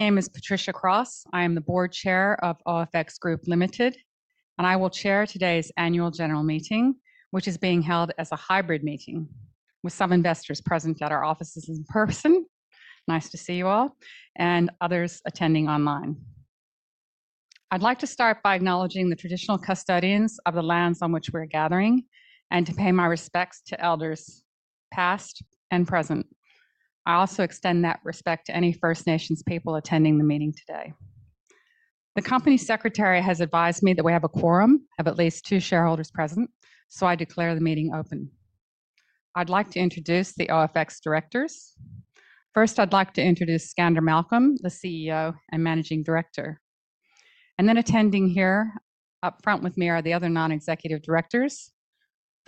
My name is Patricia Cross. I am the Board Chair of OFX Group Limited, and I will chair today's Annual General Meeting, which is being held as a hybrid meeting with some investors present at our offices in person. Nice to see you all and others attending online. I'd like to start by acknowledging the traditional custodians of the lands on which we're gathering and to pay my respects to elders past and present. I also extend that respect to any First Nations people attending the meeting today. The Company Secretary has advised me that we have a quorum of at least two shareholders present, so I declare the meeting open. I'd like to introduce the OFX directors. First, I'd like to introduce Skander Malcolm, the CEO and Managing Director, and then attending here up front with me are the other Non-Executive Directors.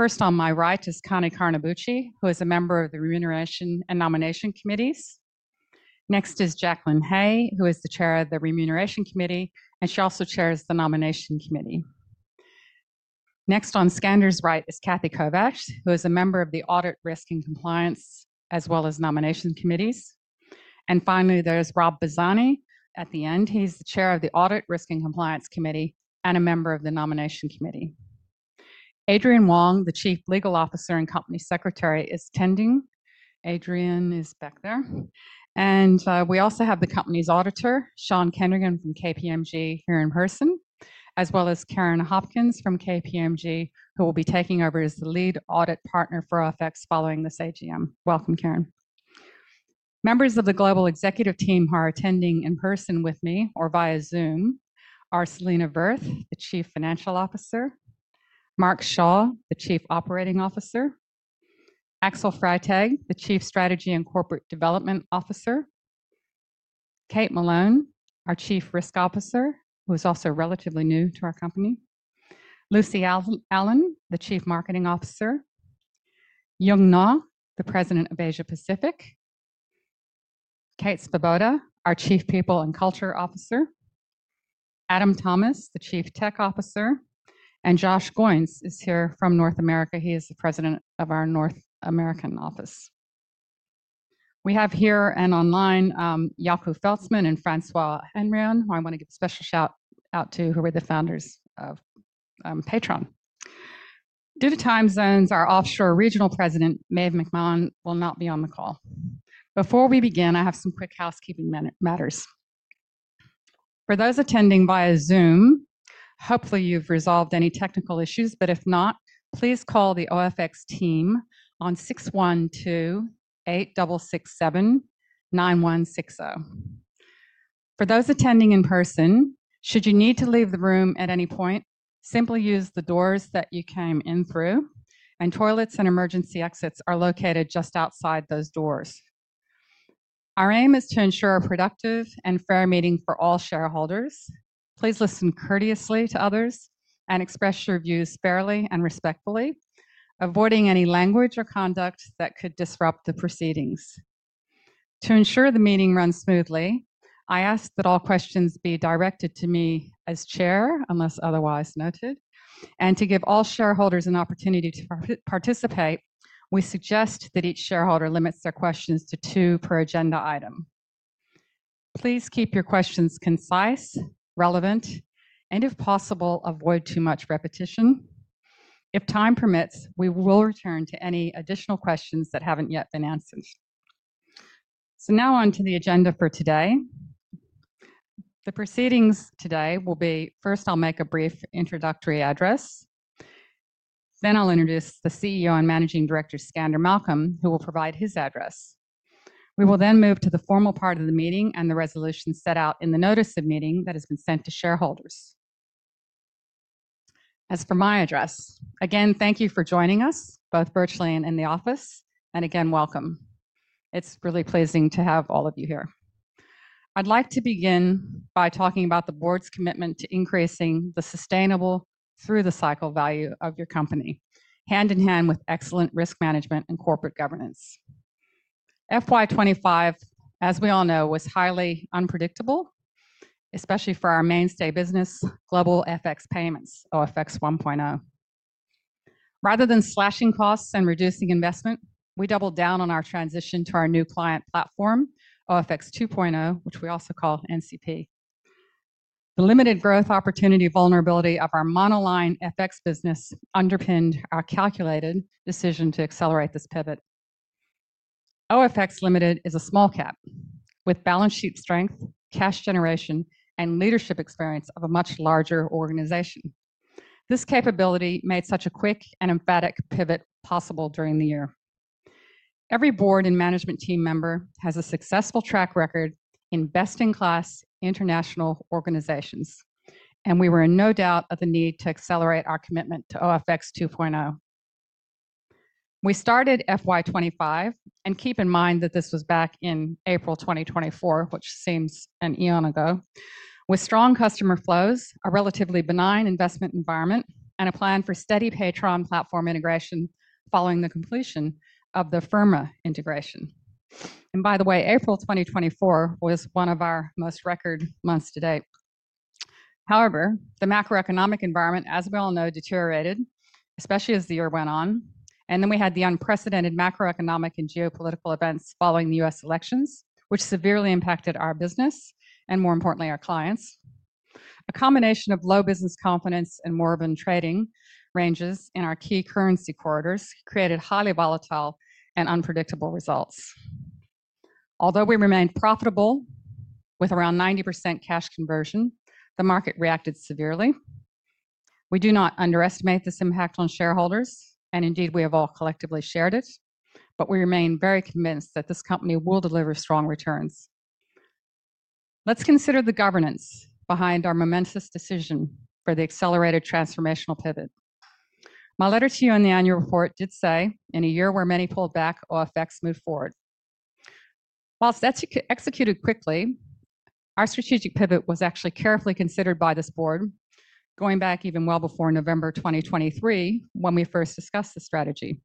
First on my right is Connie Carnabuci, who is a member of the Remuneration and Nomination Committees. Next is Jacqueline Hey, who is the Chair of the Remuneration Committee, and she also chairs the Nomination Committee. Next on Skander's right is Cathy Kovacs, who is a member of the Audit, Risk, and Compliance, as well as Nomination Committees. Finally, there is Rob Bazzani at the end. He's the Chair of the Audit, Risk, and Compliance Committee and a member of the Nomination Committee. Adrian Wong, the Chief Legal Officer and Company Secretary, is attending. Adrian is back there. We also have the company's auditor, Sean Kendrick, from KPMG here in person, as well as Karen Hopkins from KPMG, who will be taking over as the lead audit partner for OFX following this AGM. Welcome, Karen. Members of the global executive team who are attending in person with me or via Zoom are Selena Verth, the Chief Financial Officer; Mark Shaw, the Chief Operating Officer; Axel Freytag, the Chief Strategy and Corporate Development Officer; Kate Malone, our Chief Risk Officer, who is also relatively new to our company; Lucy Allen, the Chief Marketing Officer; Yung Ngo, the President of Asia Pacific; Kate Svoboda, Chief People and Culture Officer; Adam Thomas, the Chief Technology Officer; and Josh Goines is here from North America. He is the President of our North American office. We have here and online Jaco Veldsman and Francois Henrion, who I want to give a special shout out to, who are the founders of Paytron. Due to time zones, our offshore regional president, Maeve McMahon, will not be on the call. Before we begin, I have some quick housekeeping matters. For those attending via Zoom, hopefully you've resolved any technical issues, but if not, please call the OFX team on 612-8667-9160. For those attending in person, should you need to leave the room at any point, simply use the doors that you came in through, and toilets and emergency exits are located just outside those doors. Our aim is to ensure a productive and fair meeting for all shareholders. Please listen courteously to others and express your views fairly and respectfully, avoiding any language or conduct that could disrupt the proceedings. To ensure the meeting runs smoothly, I ask that all questions be directed to me as Chair, unless otherwise noted, and to give all shareholders an opportunity to participate, we suggest that each shareholder limits their questions to two per agenda item. Please keep your questions concise, relevant, and if possible, avoid too much repetition. If time permits, we will return to any additional questions that haven't yet been answered. Now on to the agenda for today. The proceedings today will be first, I'll make a brief introductory address. Then I'll introduce the CEO and Managing Director, Skander Malcolm, who will provide his address. We will then move to the formal part of the meeting and the resolutions set out in the notice of meeting that has been sent to shareholders. As for my address, again, thank you for joining us both virtually and in the office, and again, welcome. It's really pleasing to have all of you here. I'd like to begin by talking about the Board's commitment to increasing the sustainable through the cycle value of your company, hand in hand with excellent risk management and corporate governance. FY 2025, as we all know, was highly unpredictable, especially for our mainstay business, Global FX Payments, OFX 1.0. Rather than slashing costs and reducing investment, we doubled-down on our transition to our new client platform, OFX 2.0, which we also call NCP. The limited growth opportunity vulnerability of our mono-line FX business underpinned our calculated decision to accelerate this pivot. OFX Group Limited is a small cap with balance sheet strength, cash generation, and leadership experience of a much larger organization. This capability made such a quick and emphatic pivot possible during the year. Every Board and management team member has a successful track record in best-in-class international organizations, and we were in no doubt of the need to accelerate our commitment to OFX 2.0. We started FY 2025, and keep in mind that this was back in April 2024, which seems an eon ago, with strong customer flows, a relatively benign investment environment, and a plan for steady accounting platform integration following the completion of the Firma integration. By the way, April 2024 was one of our most record months to date. However, the macro-economic environment, as we all know, deteriorated, especially as the year went on, and we had the unprecedented macro-economic and geopolitical events following the U.S. elections, which severely impacted our business and, more importantly, our clients. A combination of low business confidence and morbid trading ranges in our key currency quarters created highly volatile and unpredictable results. Although we remained profitable with around 90% cash conversion, the market reacted severely. We do not underestimate this impact on shareholders, and indeed, we have all collectively shared it, but we remain very convinced that this company will deliver strong returns. Let's consider the governance behind our momentous decision for the accelerated transformational pivot. My letter to you in the annual report did say, "In a year where many pulled back, OFX moved forward." Whilst that's executed quickly, our strategic pivot was actually carefully considered by this board, going back even well before November 2023, when we first discussed the strategy.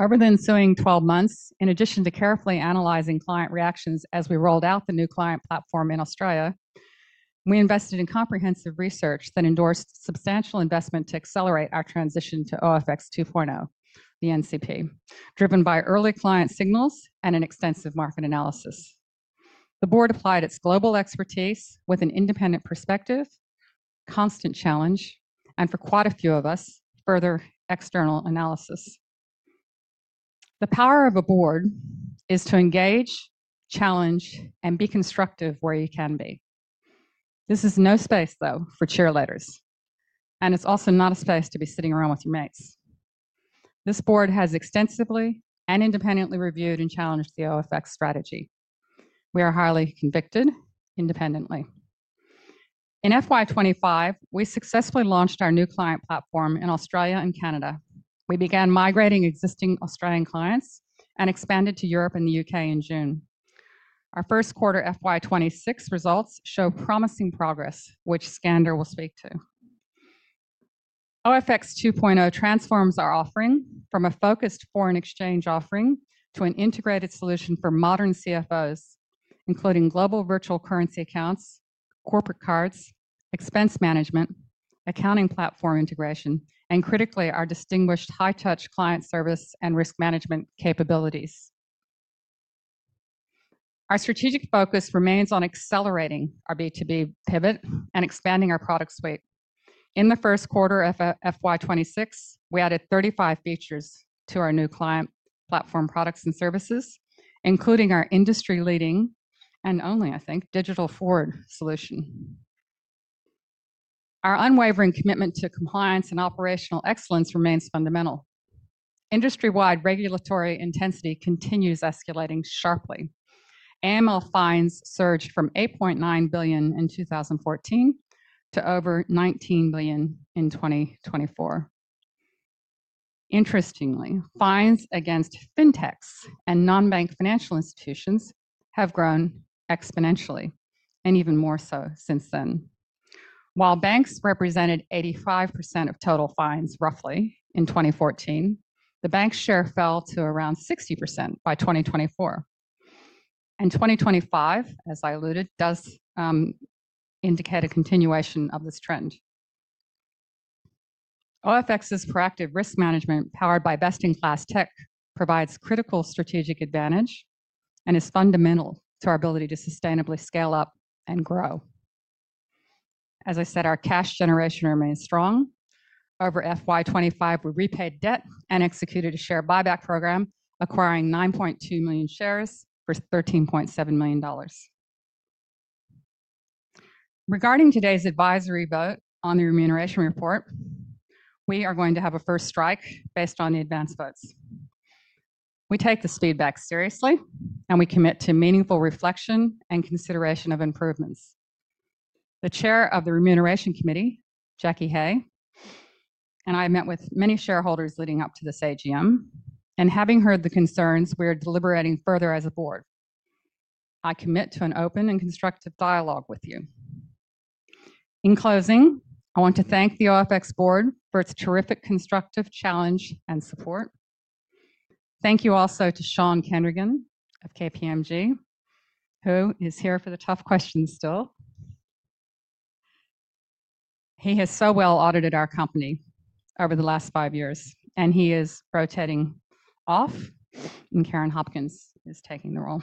Over the ensuing 12 months, in addition to carefully analyzing client reactions as we rolled out the New Client Platform in Australia, we invested in comprehensive research that endorsed substantial investment to accelerate our transition to OFX 2.0, the NCP, driven by early client signals and an extensive market analysis. The board applied its global expertise with an independent perspective, constant challenge, and for quite a few of us, further external analysis. The power of a board is to engage, challenge, and be constructive where you can be. This is no space, though, for cheerleaders, and it's also not a space to be sitting around with your mates. This board has extensively and independently reviewed and challenged the OFX strategy. We are highly convicted independently. In FY25 we successfully launched our New Client Platform in Australia and Canada. We began migrating existing Australian clients and expanded to Europe and the U.K. in June. Our first quarter FY 2026 results show promising progress, which Skander will speak to. OFX 2.0 transforms our offering from a focused foreign exchange offering to an integrated solution for modern CFOs, including global virtual currency accounts, corporate cards, expense management, accounting platform integration, and, critically, our distinguished high-touch client service and risk management capabilities. Our strategic focus remains on accelerating our B2B pivot and expanding our product suite. In the first quarter of FY 2026, we added 35 features to our New Client Platform products and services, including our industry-leading and only, I think, digital forward solution. Our unwavering commitment to compliance and operational excellence remains fundamental. Industry-wide regulatory intensity continues escalating sharply. Annual fines surged from $8.9 billion in 2014 to over $19 billion in 2024. Interestingly, fines against fintechs and non-bank financial institutions have grown exponentially and even more so since then. While banks represented 85% of total fines roughly in 2014, the banks' share fell to around 60% by 2024. 2025, as I alluded, does indicate a continuation of this trend. OFX's proactive risk management, powered by best-in-class tech, provides critical strategic advantage and is fundamental to our ability to sustainably scale up and grow. As I said, our cash generation remains strong. Over FY 2025, we repaid debt and executed a share buyback program, acquiring 9.2 million shares for $13.7 million. Regarding today's advisory vote on the remuneration report, we are going to have a first strike based on the advanced votes. We take this feedback seriously, and we commit to meaningful reflection and consideration of improvements. The Chair of the Remuneration Committee, Jacqueline Hey, and I met with many shareholders leading up to this AGM, and having heard the concerns, we are deliberating further as a board. I commit to an open and constructive dialogue with you. In closing, I want to thank the OFX board for its terrific constructive challenge and support. Thank you also to Sean Kendrick of KPMG, who is here for the tough questions still. He has so well audited our company over the last five years, and he is rotating off, and Karen Hopkins is taking the role.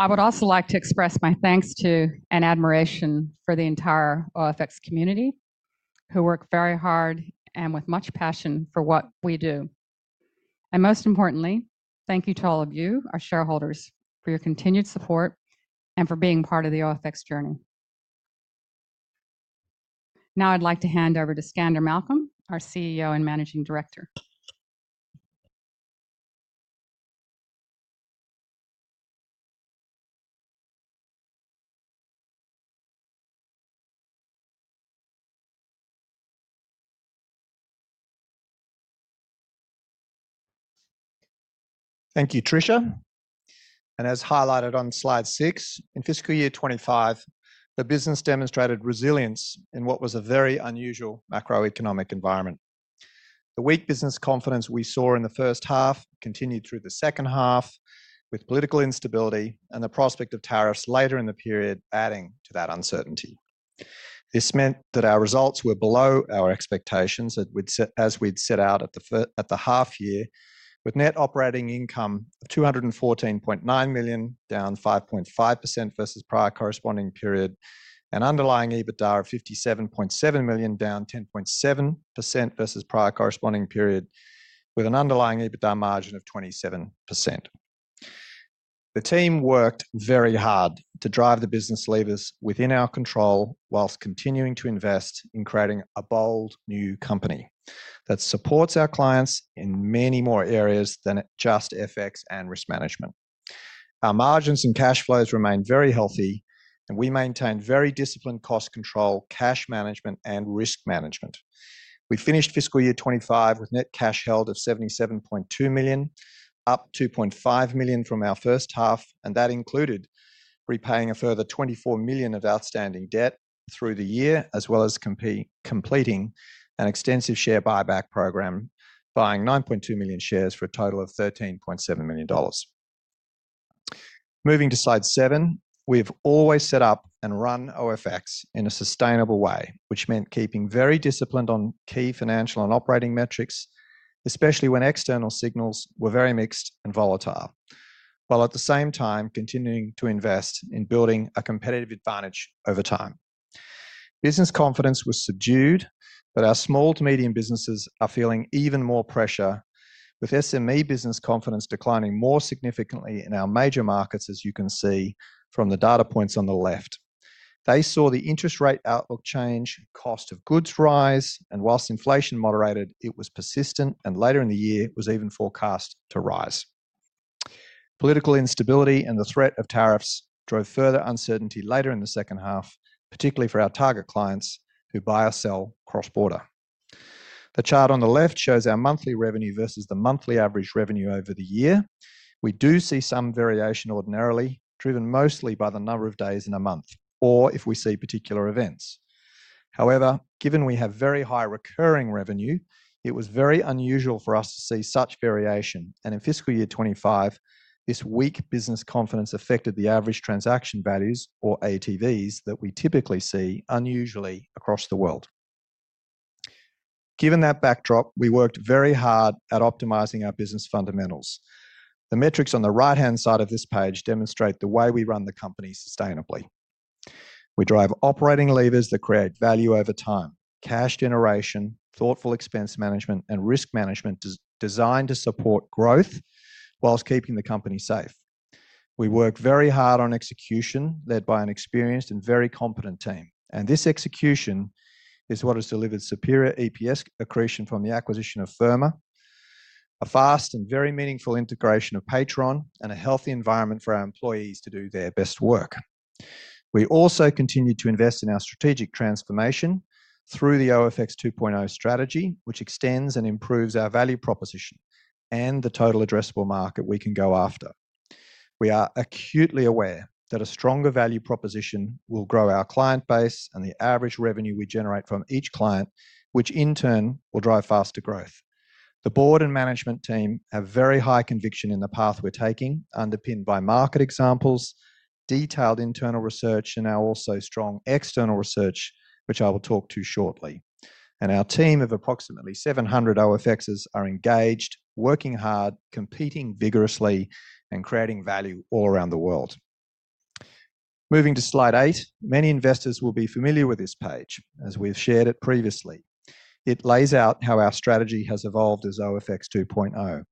I would also like to express my thanks to and admiration for the entire OFX community, who work very hard and with much passion for what we do. Most importantly, thank you to all of you, our shareholders, for your continued support and for being part of the OFX journey. Now I'd like to hand over to Skander Malcolm, our CEO and Managing Director. Thank you, Tricia. As highlighted on slide six, in fiscal year 2025, the business demonstrated resilience in what was a very unusual macro-economic environment. The weak business confidence we saw in the first half continued through the second half, with political instability and the prospect of tariffs later in the period adding to that uncertainty. This meant that our results were below our expectations as we'd set out at the half year, with net operating income of $214.9 million, down 5.5% versus prior corresponding period, and underlying EBITDA of $57.7 million, down 10.7% versus prior corresponding period, with an underlying EBITDA margin of 27%. The team worked very hard to drive the business levers within our control, whilst continuing to invest in creating a bold new company that supports our clients in many more areas than just FX and risk management. Our margins and cash flows remain very healthy, and we maintain very disciplined cost control, cash management, and risk management. We finished fiscal year 2025 with net cash held of $77.2 million, up $2.5 million from our first half, and that included repaying a further $24 million of outstanding debt through the year, as well as completing an extensive share buyback program, buying 9.2 million shares for a total of $13.7 million. Moving to slide seven, we've always set up and run OFX in a sustainable way, which meant keeping very disciplined on key financial and operating metrics, especially when external signals were very mixed and volatile, while at the same time continuing to invest in building a competitive advantage over time. Business confidence was subdued, but our small to medium businesses are feeling even more pressure, with SME business confidence declining more significantly in our major markets, as you can see from the data points on the left. They saw the interest rate outlook change, cost of goods rise, and whilst inflation moderated, it was persistent, and later in the year was even forecast to rise. Political instability and the threat of tariffs drove further uncertainty later in the second half, particularly for our target clients who buy or sell cross-border. The chart on the left shows our monthly revenue versus the monthly average revenue over the year. We do see some variation ordinarily, driven mostly by the number of days in a month or if we see particular events. However, given we have very high recurring revenue, it was very unusual for us to see such variation, and in fiscal year 2025, this weak business confidence affected the average transaction values, or ATVs, that we typically see unusually across the world. Given that backdrop, we worked very hard at optimizing our business fundamentals. The metrics on the right-hand side of this page demonstrate the way we run the company sustainably. We drive operating levers that create value over time, cash generation, thoughtful expense management, and risk management designed to support growth whilst keeping the company safe. We work very hard on execution led by an experienced and very competent team, and this execution is what has delivered superior EPS accretion from the acquisition of Firma, a fast and very meaningful integration of TreasurUp, and a healthy environment for our employees to do their best work. We also continue to invest in our strategic transformation through the OFX 2.0 strategy, which extends and improves our value proposition and the total addressable market we can go after. We are acutely aware that a stronger value proposition will grow our client base and the average revenue we generate from each client, which in turn will drive faster growth. The board and management team have very high conviction in the path we're taking, underpinned by market examples, detailed internal research, and our also strong external research, which I will talk to shortly. Our team of approximately 700 OFXs are engaged, working hard, competing vigorously, and creating value all around the world. Moving to slide eight, many investors will be familiar with this page, as we've shared it previously. It lays out how our strategy has evolved as OFX 2.0,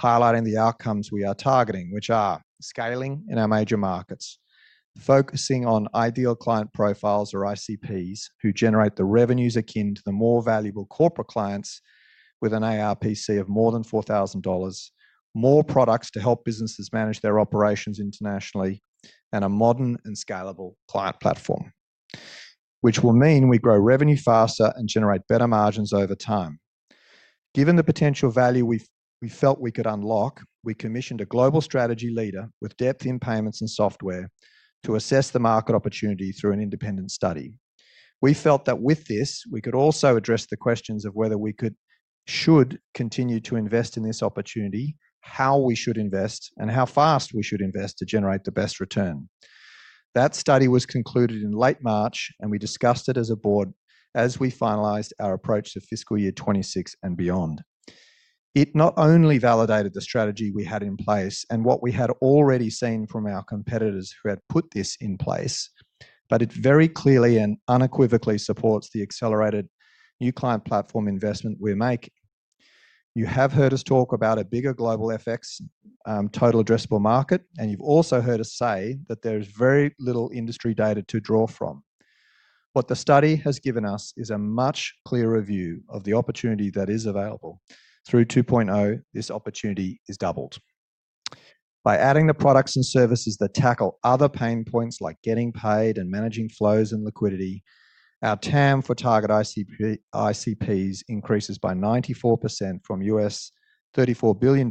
highlighting the outcomes we are targeting, which are scaling in our major markets, focusing on ideal client profiles or ICPs who generate the revenues akin to the more valuable corporate clients with an ARPC of more than $4,000, more products to help businesses manage their operations internationally, and a modern and scalable client platform, which will mean we grow revenue faster and generate better margins over time. Given the potential value we felt we could unlock, we commissioned a global strategy leader with depth in payments and software to assess the market opportunity through an independent study. We felt that with this, we could also address the questions of whether we should continue to invest in this opportunity, how we should invest, and how fast we should invest to generate the best return. That study was concluded in late March, and we discussed it as a board as we finalized our approach to fiscal year 2026 and beyond. It not only validated the strategy we had in place and what we had already seen from our competitors who had put this in place, but it very clearly and unequivocally supports the accelerated New Client Platform investment we make. You have heard us talk about a bigger global FX total addressable market, and you've also heard us say that there's very little industry data to draw from. What the study has given us is a much clearer view of the opportunity that is available. Through 2.0, this opportunity is doubled. By adding the products and services that tackle other pain points, like getting paid and managing flows and liquidity, our TAM for target ICPs increases by 94% from $34 billion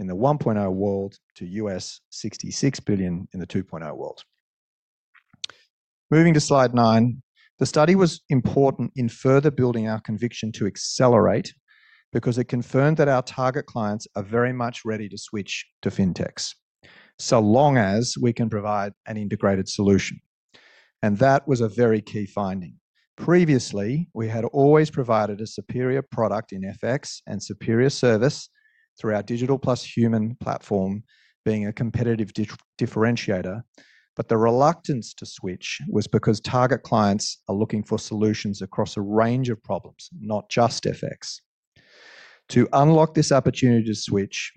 in the 1.0 world to $66 billion in the 2.0 world. Moving to slide nine, the study was important in further building our conviction to accelerate because it confirmed that our target clients are very much ready to switch to fintechs so long as we can provide an integrated solution. That was a very key finding. Previously, we had always provided a superior product in FX and superior service through our digital plus human platform, being a competitive differentiator, but the reluctance to switch was because target clients are looking for solutions across a range of problems, not just FX. To unlock this opportunity to switch,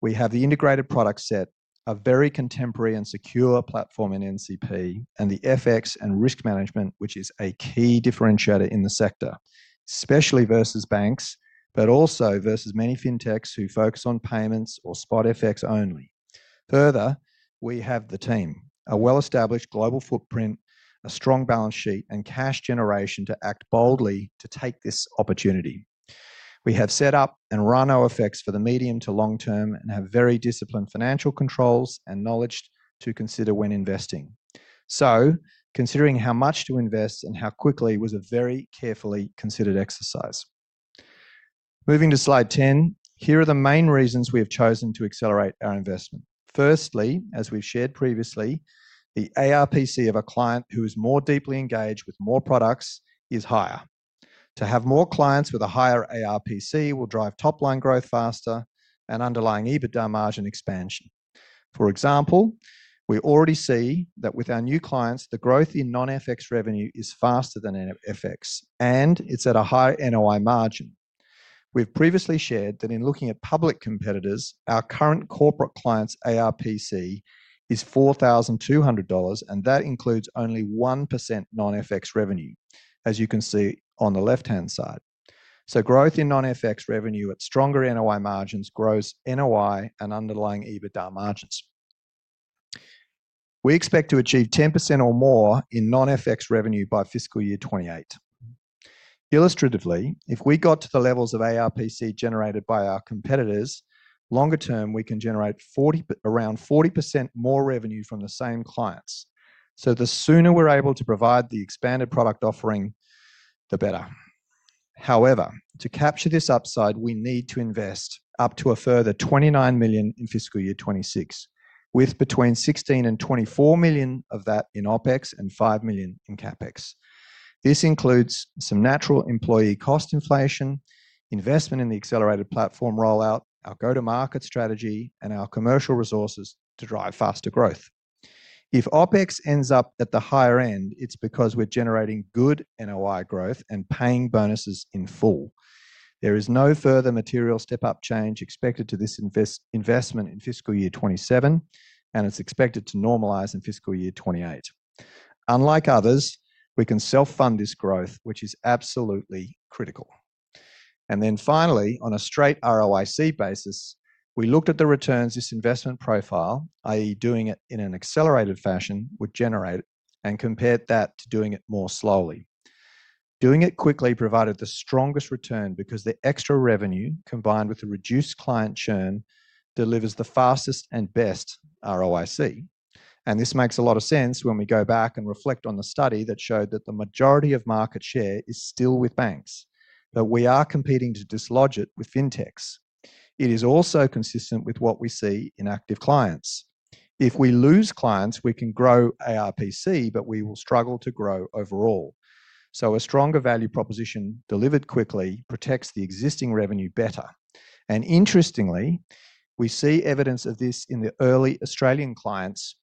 we have the integrated product set, a very contemporary and secure platform in NCP, and the FX and risk management, which is a key differentiator in the sector, especially versus banks, but also versus many fintechs who focus on payments or spot FX only. Further, we have the team, a well-established global footprint, a strong balance sheet, and cash generation to act boldly to take this opportunity. We have set up and run OFX for the medium to long term and have very disciplined financial controls and knowledge to consider when investing. Considering how much to invest and how quickly was a very carefully considered exercise. Moving to slide 10, here are the main reasons we have chosen to accelerate our investment. Firstly, as we've shared previously, the ARPC of a client who is more deeply engaged with more products is higher. To have more clients with a higher ARPC will drive top-line growth faster and underlying EBITDA margin expansion. For example, we already see that with our new clients, the growth in non-FX revenue is faster than in FX, and it's at a higher NOI margin. We've previously shared that in looking at public competitors, our current corporate clients' ARPC is $4,200, and that includes only 1% non-FX revenue, as you can see on the left-hand side. Growth in non-FX revenue at stronger NOI margins grows NOI and underlying EBITDA margins. We expect to achieve 10% or more in non-FX revenue by fiscal year 2028. Illustratively, if we got to the levels of ARPC generated by our competitors, longer term, we can generate around 40% more revenue from the same clients. The sooner we're able to provide the expanded product offering, the better. However, to capture this upside, we need to invest up to a further $29 million in fiscal year 2026, with between $16 million and $24 million of that in OpEx and $5 million in CapEx. This includes some natural employee cost inflation, investment in the accelerated platform rollout, our go-to-market strategy, and our commercial resources to drive faster growth. If OpEx ends up at the higher end, it's because we're generating good NOI growth and paying bonuses in full. There is no further material step-up change expected to this investment in fiscal year 2027, and it's expected to normalize in fiscal year 2028. Unlike others, we can self-fund this growth, which is absolutely critical. Finally, on a straight ROIC basis, we looked at the returns this investment profile, i.e., doing it in an accelerated fashion, would generate, and compared that to doing it more slowly. Doing it quickly provided the strongest return because the extra revenue, combined with the reduced client churn, delivers the fastest and best ROIC. This makes a lot of sense when we go back and reflect on the study that showed that the majority of market share is still with banks, but we are competing to dislodge it with fintechs. It is also consistent with what we see in active clients. If we lose clients, we can grow ARPC, but we will struggle to grow overall. A stronger value proposition delivered quickly protects the existing revenue better. Interestingly, we see evidence of this in the early Australian clients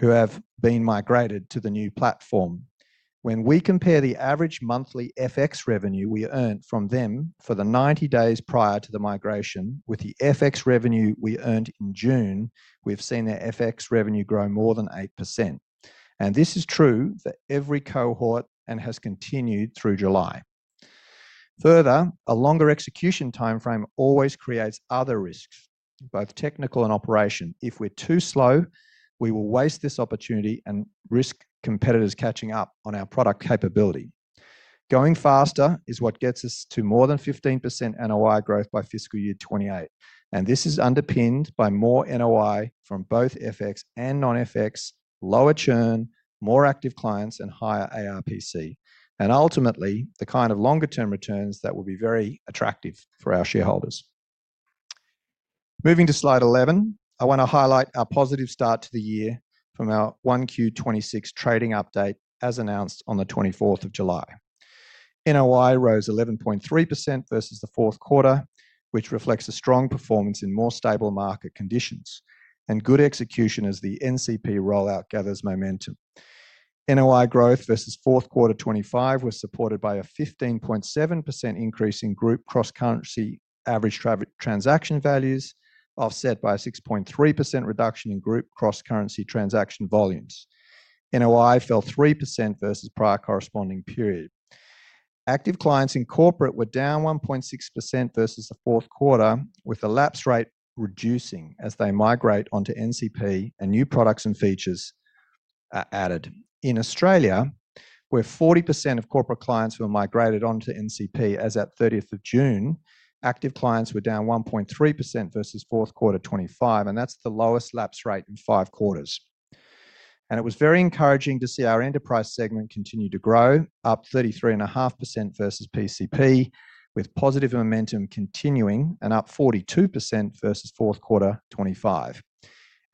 who have been migrated to the new platform. When we compare the average monthly FX revenue we earned from them for the 90 days prior to the migration with the FX revenue we earned in June, we've seen their FX revenue grow more than 8%. This is true for every cohort and has continued through July. Further, a longer execution timeframe always creates other risks, both technical and operational. If we're too slow, we will waste this opportunity and risk competitors catching up on our product capability. Going faster is what gets us to more than 15% NOI growth by fiscal year 2028, and this is underpinned by more NOI from both FX and non-FX, lower churn, more active clients, and higher ARPC, and ultimately, the kind of longer-term returns that will be very attractive for our shareholders. Moving to slide 11, I want to highlight our positive start to the year from our 1Q 2026 trading update, as announced on the 24th of July. NOI rose 11.3% versus the fourth quarter, which reflects a strong performance in more stable market conditions and good execution as the NCP rollout gathers momentum. NOI growth versus fourth quarter 2025 was supported by a 15.7% increase in group cross-currency average transaction values, offset by a 6.3% reduction in group cross-currency transaction volumes. NOI fell 3% versus prior corresponding period. Active clients in corporate were down 1.6% versus the fourth quarter, with the lapse rate reducing as they migrate onto NCP and new products and features are added. In Australia, where 40% of corporate clients were migrated onto NCP as at 30th of June, active clients were down 1.3% versus fourth quarter 2025, and that's the lowest lapse rate in five quarters. It was very encouraging to see our enterprise segment continue to grow, up 33.5% versus PCP, with positive momentum continuing and up 42% versus fourth quarter 2025.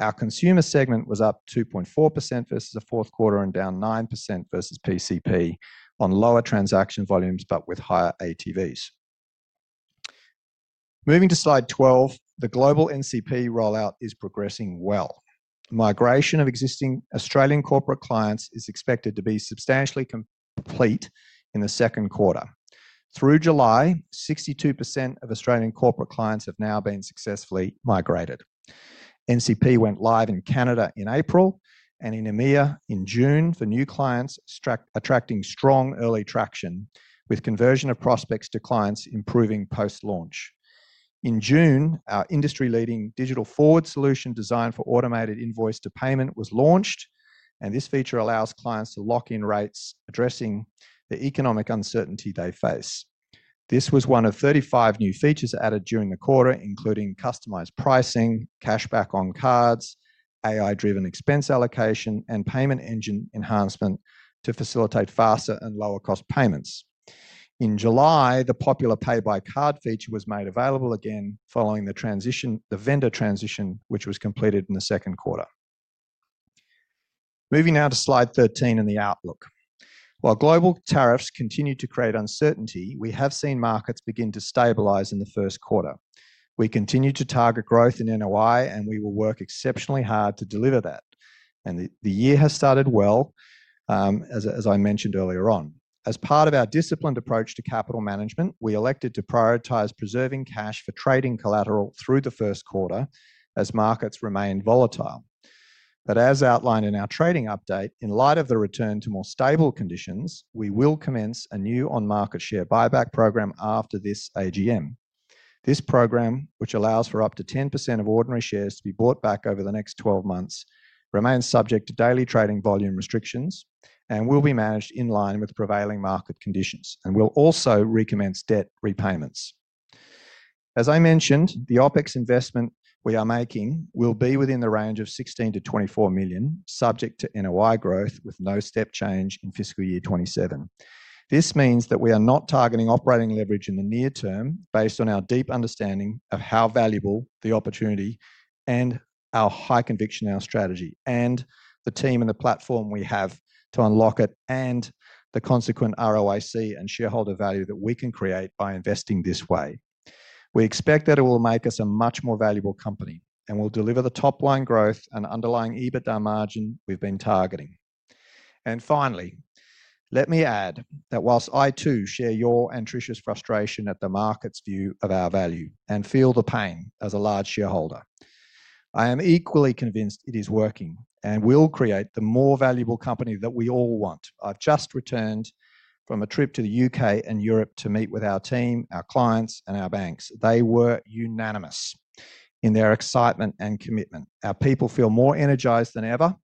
Our consumer segment was up 2.4% versus the fourth quarter and down 9% versus PCP on lower transaction volumes, but with higher ATVs. Moving to slide 12, the global NCP rollout is progressing well. The migration of existing Australian corporate clients is expected to be substantially complete in the second quarter. Through July, 62% of Australian corporate clients have now been successfully migrated. NCP went live in Canada in April and in EMEA in June for new clients, attracting strong early traction, with conversion of prospects to clients improving post-launch. In June, our industry-leading digital forward solution designed for automated invoice to payment was launched, and this feature allows clients to lock in rates, addressing the economic uncertainty they face. This was one of 35 new features added during the quarter, including customized pricing, cashback on cards, AI-driven expense allocation, and payment engine enhancement to facilitate faster and lower cost payments. In July, the popular pay by card feature was made available again following the vendor transition, which was completed in the second quarter. Moving now to slide 13 and the outlook. While global tariffs continue to create uncertainty, we have seen markets begin to stabilize in the first quarter. We continue to target growth in NOI, and we will work exceptionally hard to deliver that. The year has started well, as I mentioned earlier on. As part of our disciplined approach to capital management, we elected to prioritize preserving cash for trading collateral through the first quarter as markets remain volatile. As outlined in our trading update, in light of the return to more stable conditions, we will commence a new on-market share buyback program after this AGM. This program, which allows for up to 10% of ordinary shares to be bought back over the next 12 months, remains subject to daily trading volume restrictions and will be managed in line with prevailing market conditions, and will also recommence debt repayments. As I mentioned, the OpEx investment we are making will be within the range of $16 million-$24 million, subject to NOI growth with no step change in fiscal year 2027. This means that we are not targeting operating leverage in the near term based on our deep understanding of how valuable the opportunity and our high conviction in our strategy and the team and the platform we have to unlock it and the consequent ROIC and shareholder value that we can create by investing this way. We expect that it will make us a much more valuable company and will deliver the top-line growth and underlying EBITDA margin we've been targeting. Finally, let me add that whilst I too share your and Tricia's frustration at the market's view of our value and feel the pain as a large shareholder, I am equally convinced it is working and will create the more valuable company that we all want. I've just returned from a trip to the U.K. and Europe to meet with our team, our clients, and our banks. They were unanimous in their excitement and commitment. Our people feel more energized than ever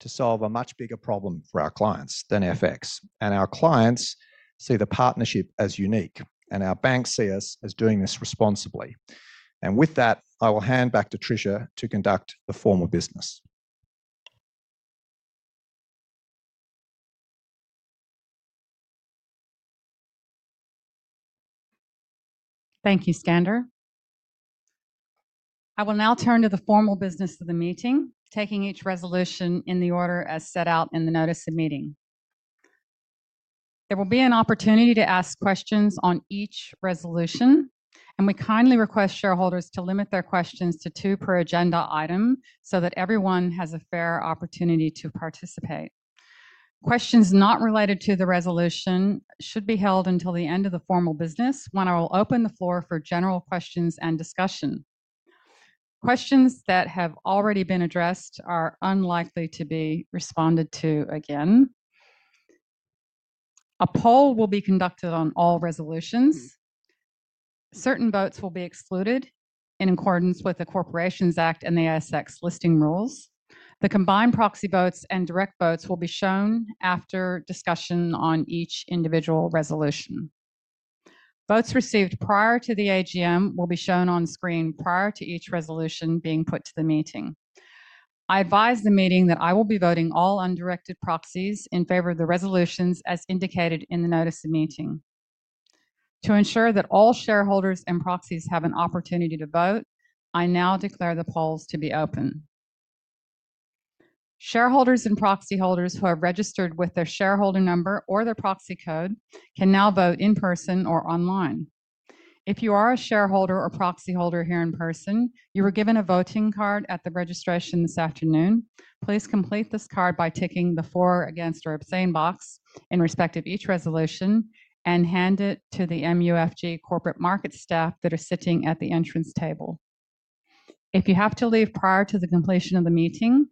to solve a much bigger problem for our clients than FX, our clients see the partnership as unique, and our banks see us as doing this responsibly. With that, I will hand back to Tricia to conduct the formal business. Thank you, Skander. I will now turn to the formal business of the meeting, taking each resolution in the order as set out in the notice of meeting. There will be an opportunity to ask questions on each resolution, and we kindly request shareholders to limit their questions to two per agenda item so that everyone has a fair opportunity to participate. Questions not related to the resolution should be held until the end of the formal business, when I will open the floor for general questions and discussion. Questions that have already been addressed are unlikely to be responded to again. A poll will be conducted on all resolutions. Certain votes will be excluded in accordance with the Corporations Act and the ASX listing rules. The combined proxy votes and direct votes will be shown after discussion on each individual resolution. Votes received prior to the AGM will be shown on screen prior to each resolution being put to the meeting. I advise the meeting that I will be voting all undirected proxies in favor of the resolutions as indicated in the notice of meeting. To ensure that all shareholders and proxies have an opportunity to vote, I now declare the polls to be open. Shareholders and proxy holders who are registered with their shareholder number or their proxy code can now vote in person or online. If you are a shareholder or proxy holder here in person, you were given a voting card at the registration this afternoon. Please complete this card by ticking the for or against or abstain box in respect of each resolution and hand it to the MUFG Corporate Market staff that are sitting at the entrance table. If you have to leave prior to the completion of the meeting,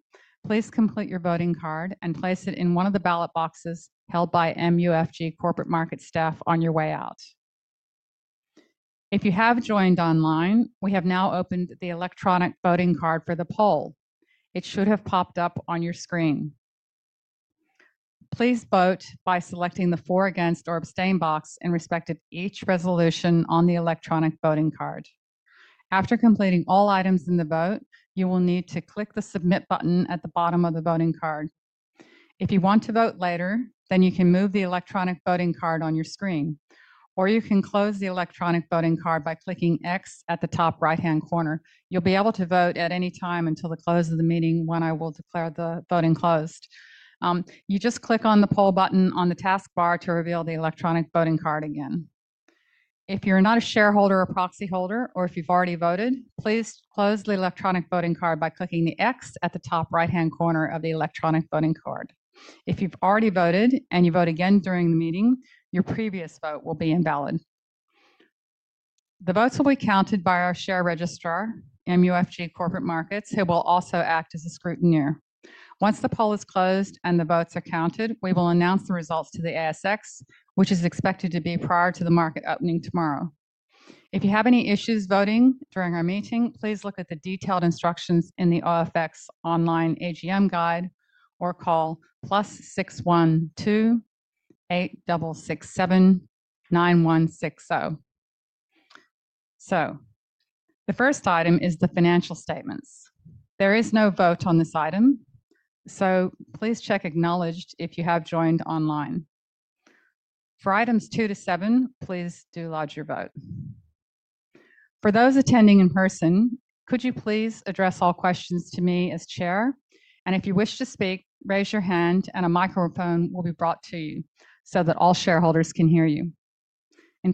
please complete your voting card and place it in one of the ballot boxes held by MUFG Corporate Market staff on your way out. If you have joined online, we have now opened the electronic voting card for the poll. It should have popped up on your screen. Please vote by selecting the for, against, or abstain box in respect of each resolution on the electronic voting card. After completing all items in the vote, you will need to click the submit button at the bottom of the voting card. If you want to vote later, then you can move the electronic voting card on your screen, or you can close the electronic voting card by clicking X at the top right-hand corner. You'll be able to vote at any time until the close of the meeting, when I will declare the voting closed. You just click on the poll button on the taskbar to reveal the electronic voting card again. If you're not a shareholder or proxy holder, or if you've already voted, please close the electronic voting card by clicking the X at the top right-hand corner of the electronic voting card. If you've already voted and you vote again during the meeting, your previous vote will be invalid. The votes will be counted by our share registrar, MUFG Corporate Markets, who will also act as a scrutinizer. Once the poll is closed and the votes are counted, we will announce the results to the ASX, which is expected to be prior to the market opening tomorrow. If you have any issues voting during our meeting, please look at the detailed instructions in the OFX online AGM guide or call +61 2 8667 9160. The first item is the financial statements. There is no vote on this item, so please check acknowledged if you have joined online. For items two to seven, please do lodge your vote. For those attending in person, could you please address all questions to me as Chair? If you wish to speak, raise your hand and a microphone will be brought to you so that all shareholders can hear you.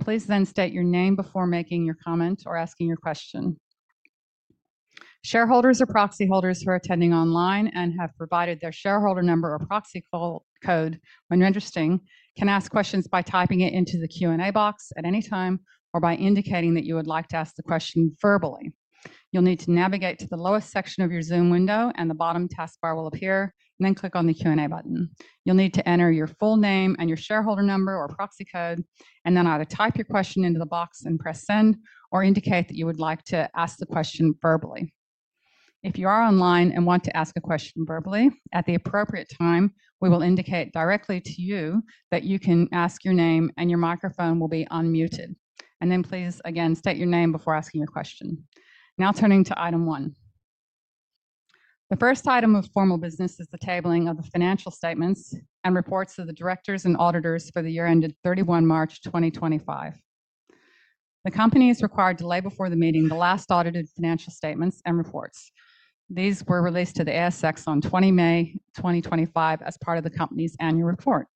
Please then state your name before making your comment or asking your question. Shareholders or proxy holders who are attending online and have provided their shareholder number or proxy code when registering can ask questions by typing it into the Q&A box at any time or by indicating that you would like to ask the question verbally. You'll need to navigate to the lowest section of your Zoom window, and the bottom taskbar will appear, then click on the Q&A button. You'll need to enter your full name and your shareholder number or proxy code, and then either type your question into the box and press send or indicate that you would like to ask the question verbally. If you are online and want to ask a question verbally, at the appropriate time, we will indicate directly to you that you can ask your name and your microphone will be unmuted. Please again state your name before asking your question. Now turning to item one. The first item of formal business is the tabling of the financial statements and reports of the directors and auditors for the year ended 31 March 2025. The company is required to lay before the meeting the last audited financial statements and reports. These were released to the ASX on 20 May 2025 as part of the company's annual report.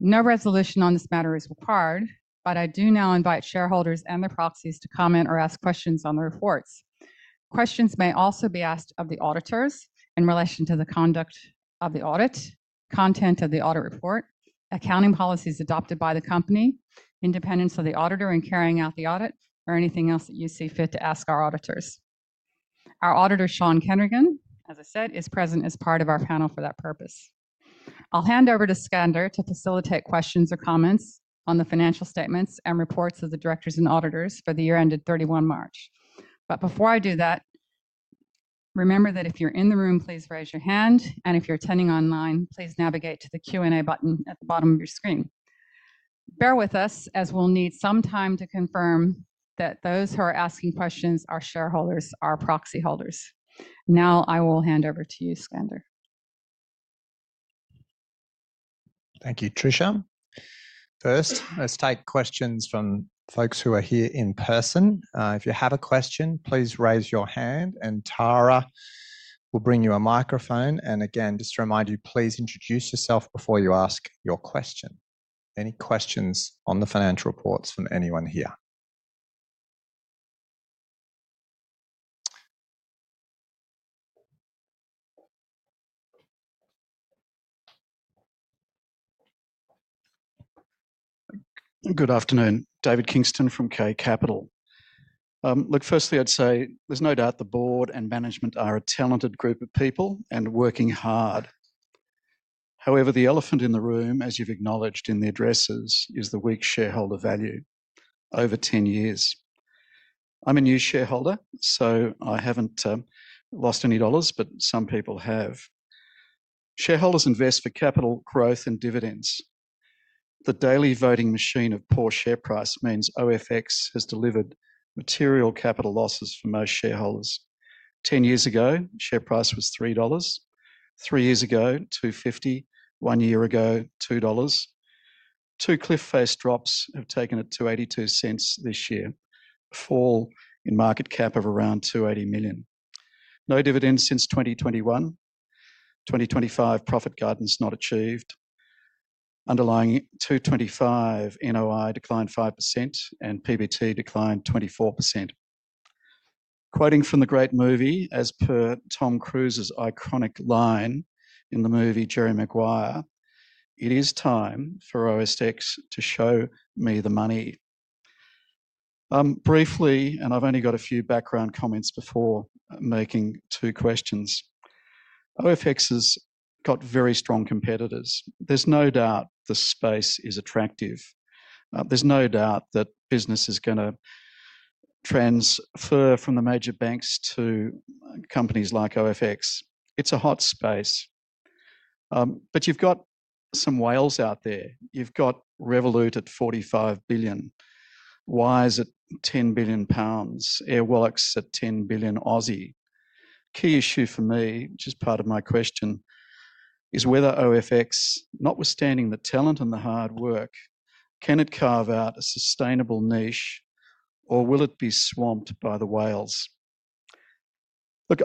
No resolution on this matter is required, but I do now invite shareholders and their proxies to comment or ask questions on the reports. Questions may also be asked of the auditors in relation to the conduct of the audit, content of the audit report, accounting policies adopted by the company, independence of the auditor in carrying out the audit, or anything else that you see fit to ask our auditors. Our auditor, Sean Kendrick, as I said, is present as part of our panel for that purpose. I'll hand over to Skander to facilitate questions or comments on the financial statements and reports of the directors and auditors for the year ended 31 March. Before I do that, remember that if you're in the room, please raise your hand, and if you're attending online, please navigate to the Q&A button at the bottom of your screen. Bear with us as we'll need some time to confirm that those who are asking questions are shareholders or proxy holders. Now I will hand over to you, Skander? Thank you, Tricia. First, let's take questions from folks who are here in person. If you have a question, please raise your hand, and Tara will bring you a microphone. Again, just to remind you, please introduce yourself before you ask your question. Any questions on the financial reports from anyone here? Good afternoon, David Kingston from K Capital. Firstly, I'd say there's no doubt the board and management are a talented group of people and working hard. However, the elephant in the room, as you've acknowledged in the addresses, is the weak shareholder value over 10 years. I'm a new shareholder, so I haven't lost any dollars, but some people have. Shareholders invest for capital growth and dividends. The daily voting machine of poor share price means OFX has delivered material capital losses for most shareholders. Ten years ago, share price was $3. Three years ago, $2.50. One year ago, $2. Two cliff face drops have taken it to $0.82 this year, a fall in market cap of around $2.80 million. No dividends since 2021. 2025 profit guidance not achieved. Underlying $2.25 NOI declined 5% and PBT declined 24%. Quoting from the great movie, as per Tom Cruise's iconic line in the movie Jerry Maguire, "It is time for OFX to show me the money." Briefly, and I've only got a few background comments before making two questions. OFX has got very strong competitors. There's no doubt the space is attractive. There's no doubt that business is going to transfer from the major banks to companies like OFX. It's a hot space. You've got some whales out there. You've got Revolut at 45 billion, Wise at 10 billion pounds, AirWallex at 10 billion. Key issue for me, which is part of my question, is whether OFX, notwithstanding the talent and the hard work, can it carve out a sustainable niche, or will it be swamped by the whales?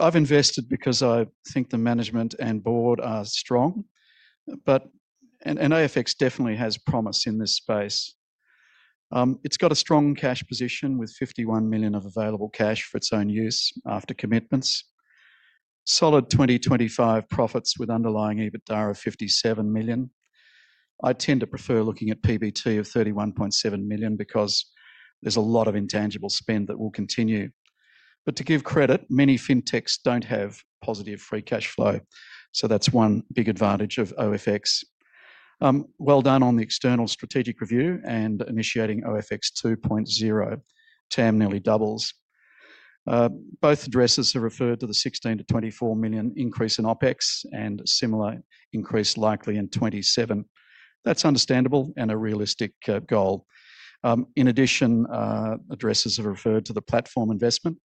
I've invested because I think the management and board are strong, but OFX definitely has promise in this space. It's got a strong cash position with $51 million of available cash for its own use after commitments. Solid 2025 profits with underlying EBITDA of $57 million. I tend to prefer looking at PBT of $31.7 million because there's a lot of intangible spend that will continue. To give credit, many fintechs don't have positive free cash flow, so that's one big advantage of OFX. Well done on the external strategic review and initiating OFX 2.0. TAM nearly doubles. Both addresses have referred to the $16 million-$24 million increase in OpEx and a similar increase likely in 2027. That's understandable and a realistic goal. In addition, addresses have referred to the platform investment,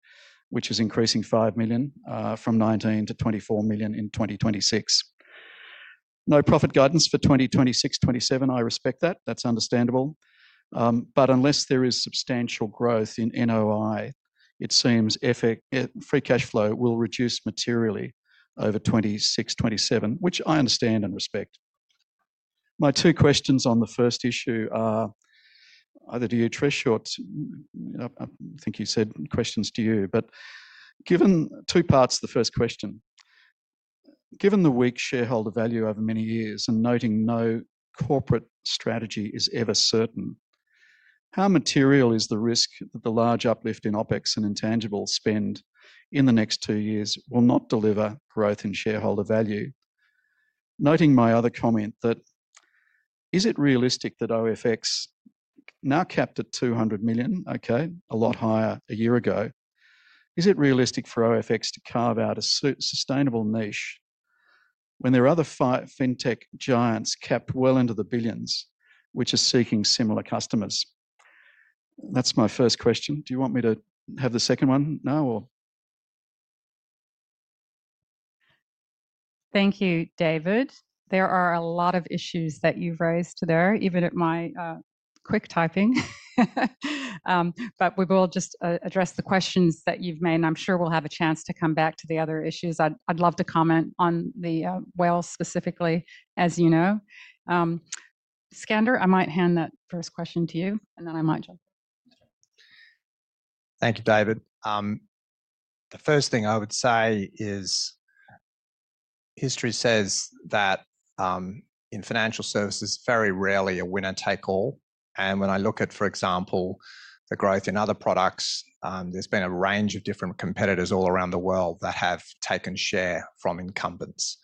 which is increasing $5 million from $19 million-$24 million in 2026. No profit guidance for 2026-2027, I respect that. That's understandable. Unless there is substantial growth in net operating income, it seems free cash flow will reduce materially over 2026-2027, which I understand and respect. My two questions on the first issue are either to you, Tricia, or I think you said questions to you. Given two parts of the first question, given the weak shareholder value over many years and noting no corporate strategy is ever certain, how material is the risk that the large uplift in OpEx and intangible spend in the next two years will not deliver growth in shareholder value? Noting my other comment, is it realistic that OFX now capped at $200 million, a lot higher a year ago? Is it realistic for OFX to carve out a sustainable niche when there are other fintech giants capped well into the billions, which are seeking similar customers? That's my first question. Do you want me to have the second one now or? Thank you, David. There are a lot of issues that you've raised there, even at my quick typing. We will just address the questions that you've made, and I'm sure we'll have a chance to come back to the other issues. I'd love to comment on the whales specifically, as you know. Skander, I might hand that first question to you, and then I might jump. Thank you, David. The first thing I would say is history says that in financial services, very rarely a winner take all. When I look at, for example, the growth in other products, there's been a range of different competitors all around the world that have taken share from incumbents.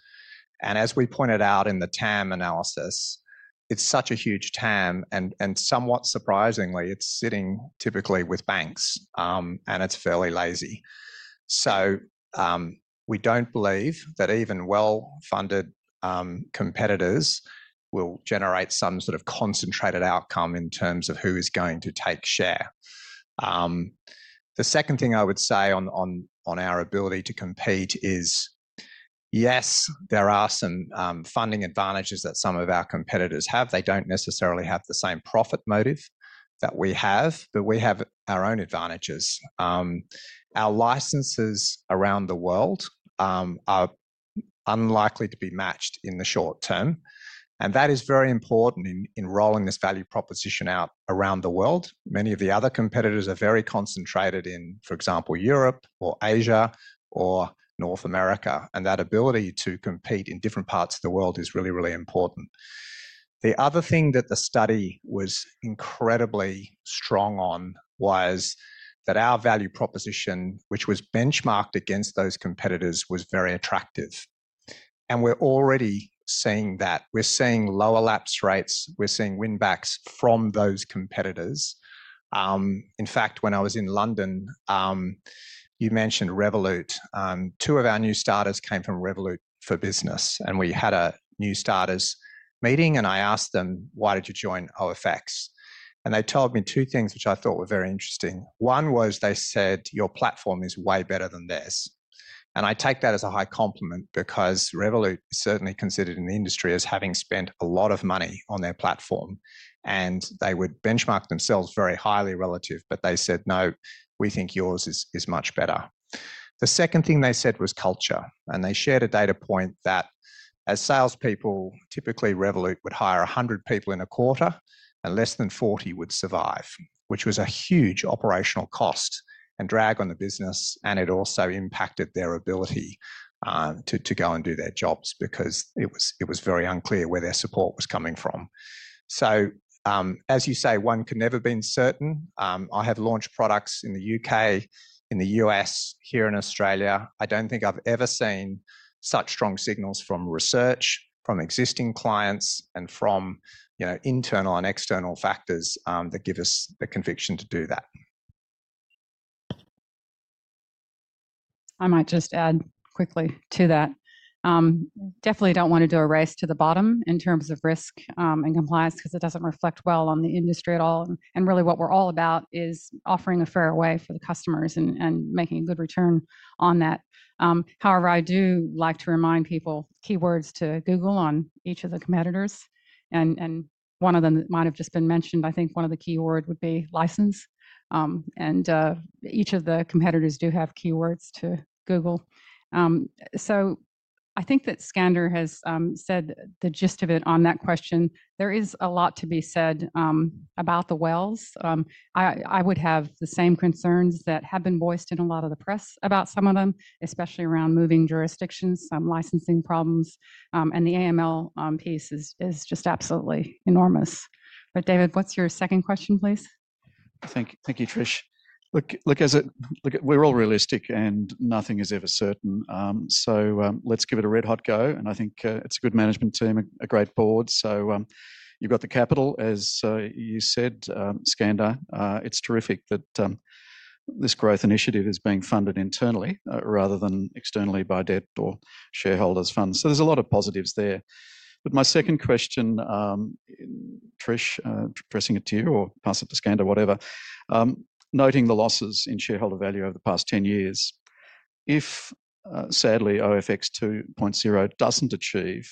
As we pointed out in the TAM analysis, it's such a huge TAM, and somewhat surprisingly, it's sitting typically with banks, and it's fairly lazy. We don't believe that even well-funded competitors will generate some sort of concentrated outcome in terms of who is going to take share. The second thing I would say on our ability to compete is, yes, there are some funding advantages that some of our competitors have. They don't necessarily have the same profit motive that we have, but we have our own advantages. Our licenses around the world are unlikely to be matched in the short term, and that is very important in rolling this value proposition out around the world. Many of the other competitors are very concentrated in, for example, Europe or Asia or North America, and that ability to compete in different parts of the world is really, really important. The other thing that the study was incredibly strong on was that our value proposition, which was benchmarked against those competitors, was very attractive. We're already seeing that. We're seeing lower lapse rates. We're seeing winbacks from those competitors. In fact, when I was in London, you mentioned Revolut. Two of our new starters came from Revolut for Business, and we had a new starters meeting, and I asked them, "Why did you join OFX?" They told me two things which I thought were very interesting. One was they said, "Your platform is way better than theirs." I take that as a high compliment because Revolut is certainly considered in the industry as having spent a lot of money on their platform, and they would benchmark themselves very highly relative, but they said, "No, we think yours is much better." The second thing they said was culture, and they shared a data point that as salespeople, typically Revolut would hire 100 people in a quarter, and less than 40 would survive, which was a huge operational cost and drag on the business, and it also impacted their ability to go and do their jobs because it was very unclear where their support was coming from. As you say, one can never be certain. I have launched products in the U.K., in the U.S., here in Australia. I don't think I've ever seen such strong signals from research, from existing clients, and from internal and external factors that give us the conviction to do that. I might just add quickly to that. Definitely don't want to do a race to the bottom in terms of risk and compliance because it doesn't reflect well on the industry at all. What we're all about is offering a fair way for the customers and making a good return on that. However, I do like to remind people keywords to Google on each of the competitors, and one of them might have just been mentioned. I think one of the keywords would be license, and each of the competitors do have keywords to Google. I think that Skander has said the gist of it on that question. There is a lot to be said about the whales. I would have the same concerns that have been voiced in a lot of the press about some of them, especially around moving jurisdictions, some licensing problems, and the AML piece is just absolutely enormous. David, what's your second question, please? Thank you, Tricia. Look, we're all realistic and nothing is ever certain. Let's give it a red hot go. I think it's a good management team, a great board. You've got the capital, as you said, Skander. It's terrific that this growth initiative is being funded internally rather than externally by debt or shareholders' funds. There are a lot of positives there. My second question, Tricia, pressing it to you or pass it to Skander, whatever, noting the losses in shareholder value over the past 10 years. If sadly OFX 2.0 doesn't achieve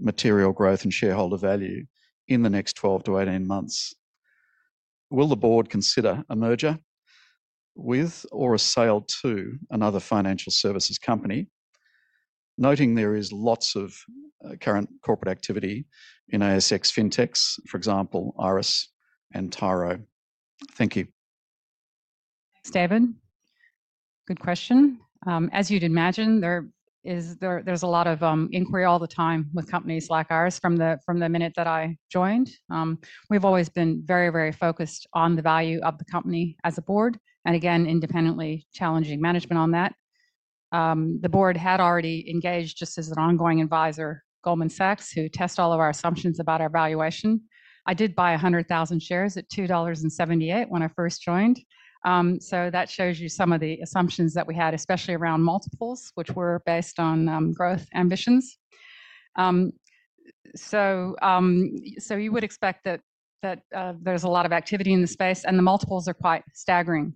material growth in shareholder value in the next 12 months-18 months, will the board consider a merger with or a sale to another financial services company, noting there is lots of current corporate activity in ASX fintechs, for example, IRIS and Tyro? Thank you. David? Good question. As you'd imagine, there's a lot of inquiry all the time with companies like IRIS from the minute that I joined. We've always been very, very focused on the value of the company as a board, and again, independently challenging management on that. The board had already engaged, just as an ongoing advisor, Goldman Sachs, who tests all of our assumptions about our valuation. I did buy 100,000 shares at $2.78 when I first joined. That shows you some of the assumptions that we had, especially around multiples, which were based on growth ambitions. You would expect that there's a lot of activity in the space, and the multiples are quite staggering.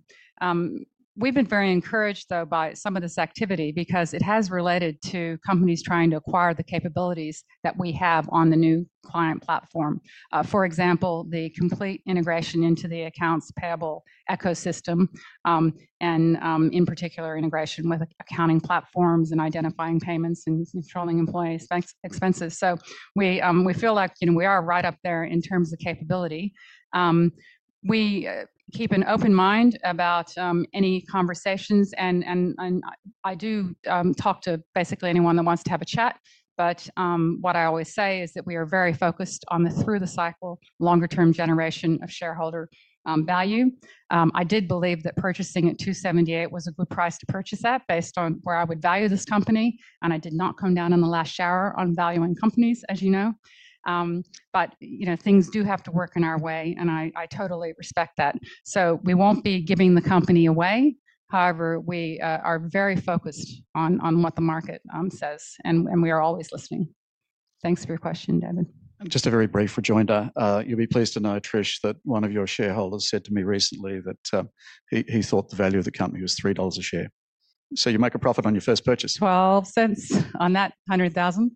We've been very encouraged, though, by some of this activity because it has related to companies trying to acquire the capabilities that we have on the New Client Platform. For example, the complete integration into the accounts payable ecosystem, and in particular, integration with accounting platform integration and identifying payments and controlling employees' expenses. We feel like we are right up there in terms of capability. We keep an open mind about any conversations, and I do talk to basically anyone that wants to have a chat. What I always say is that we are very focused on the through-the-cycle longer-term generation of shareholder value. I did believe that purchasing at $2.78 was a good price to purchase at based on where I would value this company, and I did not come down in the last shower on valuing companies, as you know. Things do have to work in our way, and I totally respect that. We won't be giving the company away. However, we are very focused on what the market says, and we are always listening. Thanks for your question, David. Just a very brief rejoinder. You'll be pleased to know, Tricia, that one of your shareholders said to me recently that he thought the value of the company was $3 a share. You make a profit on your first purchase. $0.12 on that 100,000.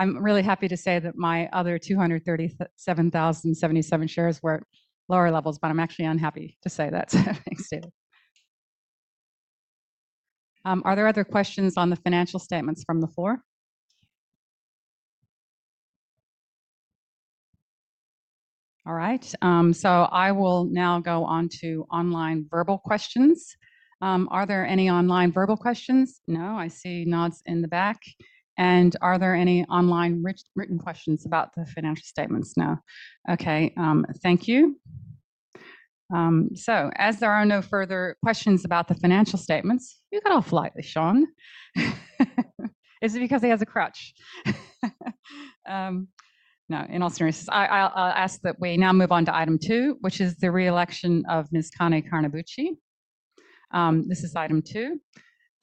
I'm really happy to say that my other 237,077 shares were at lower levels, but I'm actually unhappy to say that. Thanks, David. Are there other questions on the financial statements from the floor? All right. I will now go on to online verbal questions. Are there any online verbal questions? No, I see nods in the back. Are there any online written questions about the financial statements? No. Thank you. As there are no further questions about the financial statements, you get off lightly, Sean. Is it because he has a crutch? No, in all seriousness, I'll ask that we now move on to item two, which is the reelection of Ms. Connie Carnabuci. This is item two.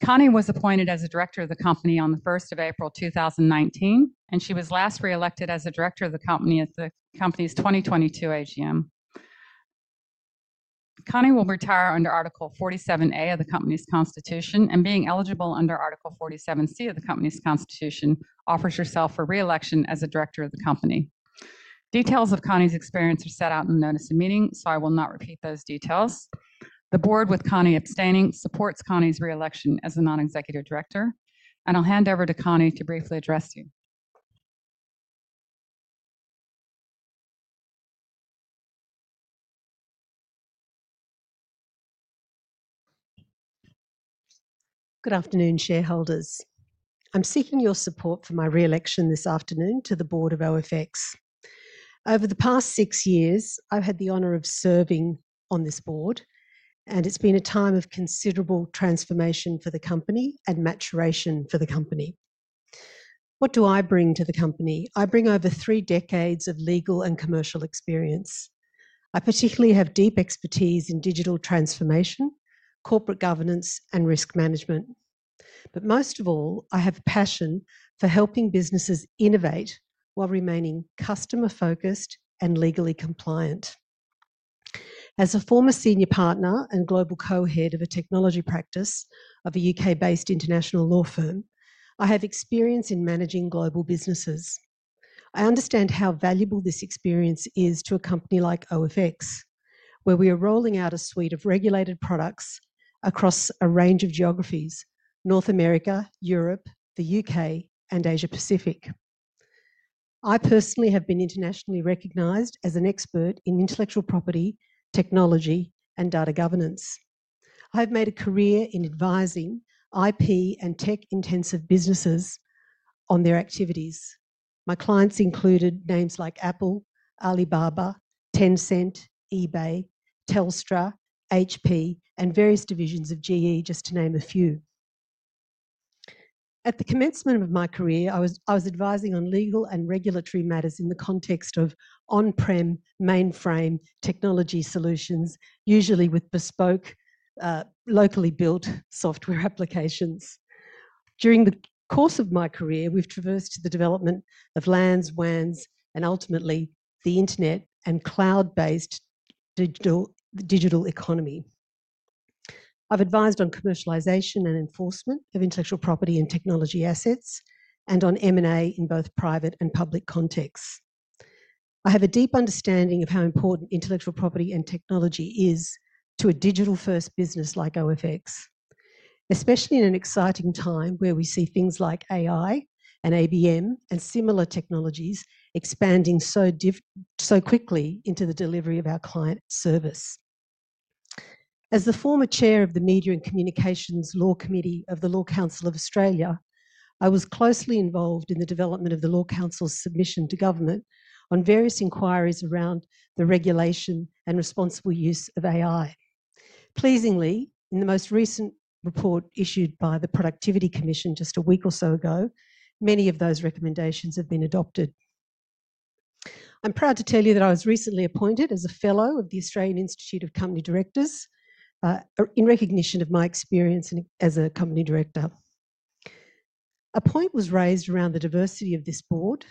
Connie was appointed as a director of the company on the 1st of April 2019, and she was last reelected as a director of the company at the company's 2022 AGM. Connie will retire under Article 47A of the company's Constitution, and being eligible under Article 47C of the company's Constitution offers herself a reelection as a director of the company. Details of Connie's experience are set out in the notice of meeting, so I will not repeat those details. The board, with Connie abstaining, supports Connie's reelection as a Non-Executive Director, and I'll hand over to Connie to briefly address you. Good afternoon, shareholders. I'm seeking your support for my reelection this afternoon to the board of OFX. Over the past six years, I've had the honor of serving on this board, and it's been a time of considerable transformation for the company and maturation for the company. What do I bring to the company? I bring over three decades of legal and commercial experience. I particularly have deep expertise in digital transformation, corporate governance, and risk management. Most of all, I have a passion for helping businesses innovate while remaining customer-focused and legally compliant. As a former Senior Partner and Global Co-Head of a technology practice of a UK-based international law firm, I have experience in managing global businesses. I understand how valuable this experience is to a company like OFX, where we are rolling out a suite of regulated products across a range of geographies: North America, Europe, the U.K., and Asia-Pacific. I personally have been internationally recognized as an expert in intellectual property, technology, and data governance. I have made a career in advising IP and tech-intensive businesses on their activities. My clients included names like Apple, Alibaba, Tencent, eBay, Telstra, HP, and various divisions of GE, just to name a few. At the commencement of my career, I was advising on legal and regulatory matters in the context of on-prem mainframe technology solutions, usually with bespoke, locally built software applications. During the course of my career, we've traversed the development of LANs, WANs, and ultimately the internet and cloud-based digital economy. I've advised on commercialization and enforcement of intellectual property and technology assets and on M&A in both private and public contexts. I have a deep understanding of how important intellectual property and technology is to a digital-first business like OFX, especially in an exciting time where we see things like AI and ABM and similar technologies expanding so quickly into the delivery of our client service. As the former Chair of the Media and Communications Law Committee of the Law Council of Australia, I was closely involved in the development of the Law Council's submission to government on various inquiries around the regulation and responsible use of AI. Pleasingly, in the most recent report issued by the Productivity Commission just a week or so ago, many of those recommendations have been adopted. I'm proud to tell you that I was recently appointed as a Fellow of the Australian Institute of Company Directors in recognition of my experience as a company director. A point was raised around the diversity of this board,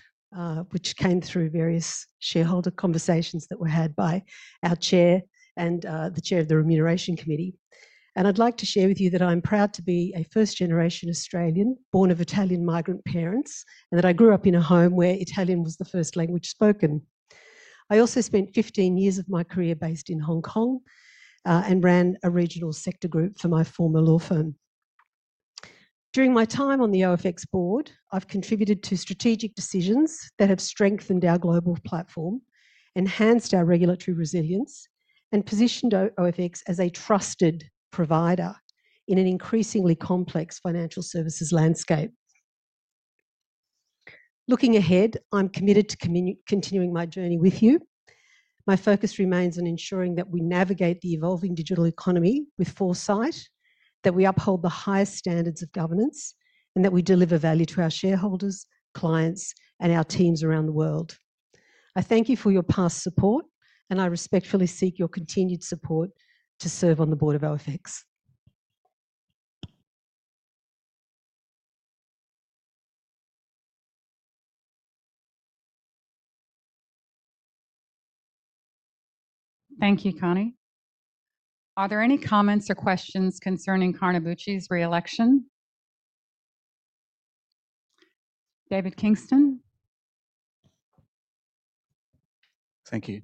which came through various shareholder conversations that were had by our Chair and the Chair of the Remuneration Committee. I'd like to share with you that I'm proud to be a first-generation Australian, born of Italian migrant parents, and that I grew up in a home where Italian was the first language spoken. I also spent 15 years of my career based in Hong Kong and ran a regional sector group for my former law firm. During my time on the OFX board, I've contributed to strategic decisions that have strengthened our global platform, enhanced our regulatory resilience, and positioned OFX as a trusted provider in an increasingly complex financial services landscape. Looking ahead, I'm committed to continuing my journey with you. My focus remains on ensuring that we navigate the evolving digital economy with foresight, that we uphold the highest standards of governance, and that we deliver value to our shareholders, clients, and our teams around the world. I thank you for your past support, and I respectfully seek your continued support to serve on the board of OFX. Thank you, Connie. Are there any comments or questions concerning Carnabuci's re-election? David Kingston? Thank you.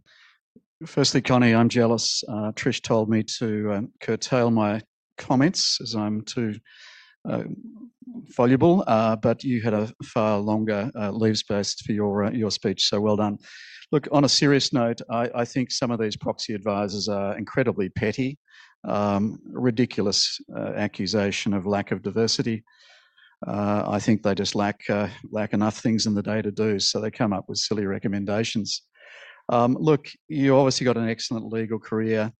Firstly, Connie, I'm jealous. Tricia told me to curtail my comments as I'm too foliable, but you had a far longer leave space for your speech, so well done. On a serious note, I think some of these proxy advisors are incredibly petty, a ridiculous accusation of lack of diversity. I think they just lack enough things in the day to do, so they come up with silly recommendations. You obviously got an excellent legal career,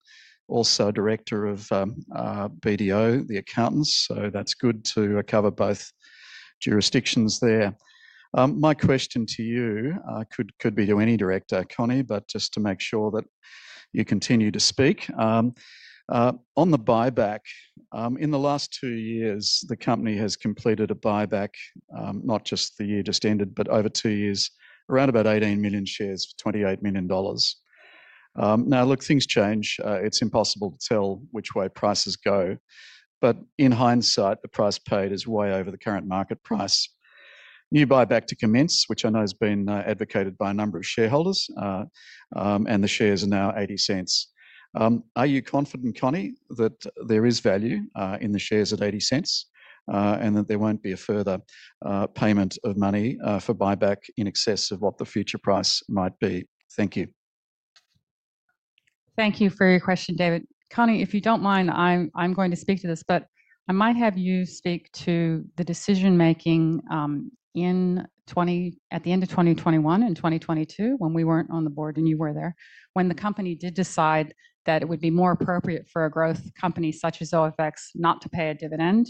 also director of BDO, the accountants, so that's good to cover both jurisdictions there. My question to you could be to any director, Connie, but just to make sure that you continue to speak. On the buyback, in the last two years, the company has completed a buyback, not just the year just ended, but over two years, around about 18 million shares, $28 million. Things change. It's impossible to tell which way prices go, but in hindsight, the price paid is way over the current market price. New buyback to commence, which I know has been advocated by a number of shareholders, and the shares are now $0.80. Are you confident, Connie, that there is value in the shares at $0.80 and that there won't be a further payment of money for buyback in excess of what the future price might be? Thank you. Thank you for your question, David. Connie, if you don't mind, I'm going to speak to this, but I might have you speak to the decision-making at the end of 2021 and 2022 when we weren't on the board and you were there, when the company did decide that it would be more appropriate for a growth company such as OFX not to pay a dividend,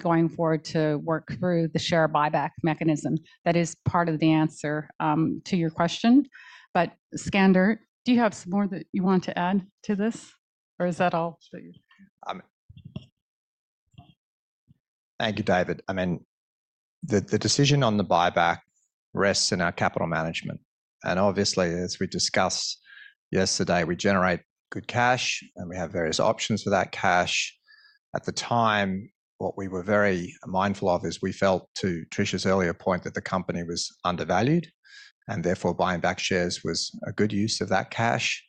going forward to work through the share buyback mechanism. That is part of the answer to your question. Skander, do you have some more that you wanted to add to this, or is that all? Thank you, David. The decision on the share buyback rests in our capital management. Obviously, as we discussed yesterday, we generate good cash, and we have various options for that cash. At the time, what we were very mindful of is we felt, to Tricia's earlier point, that the company was undervalued, and therefore buying back shares was a good use of that cash.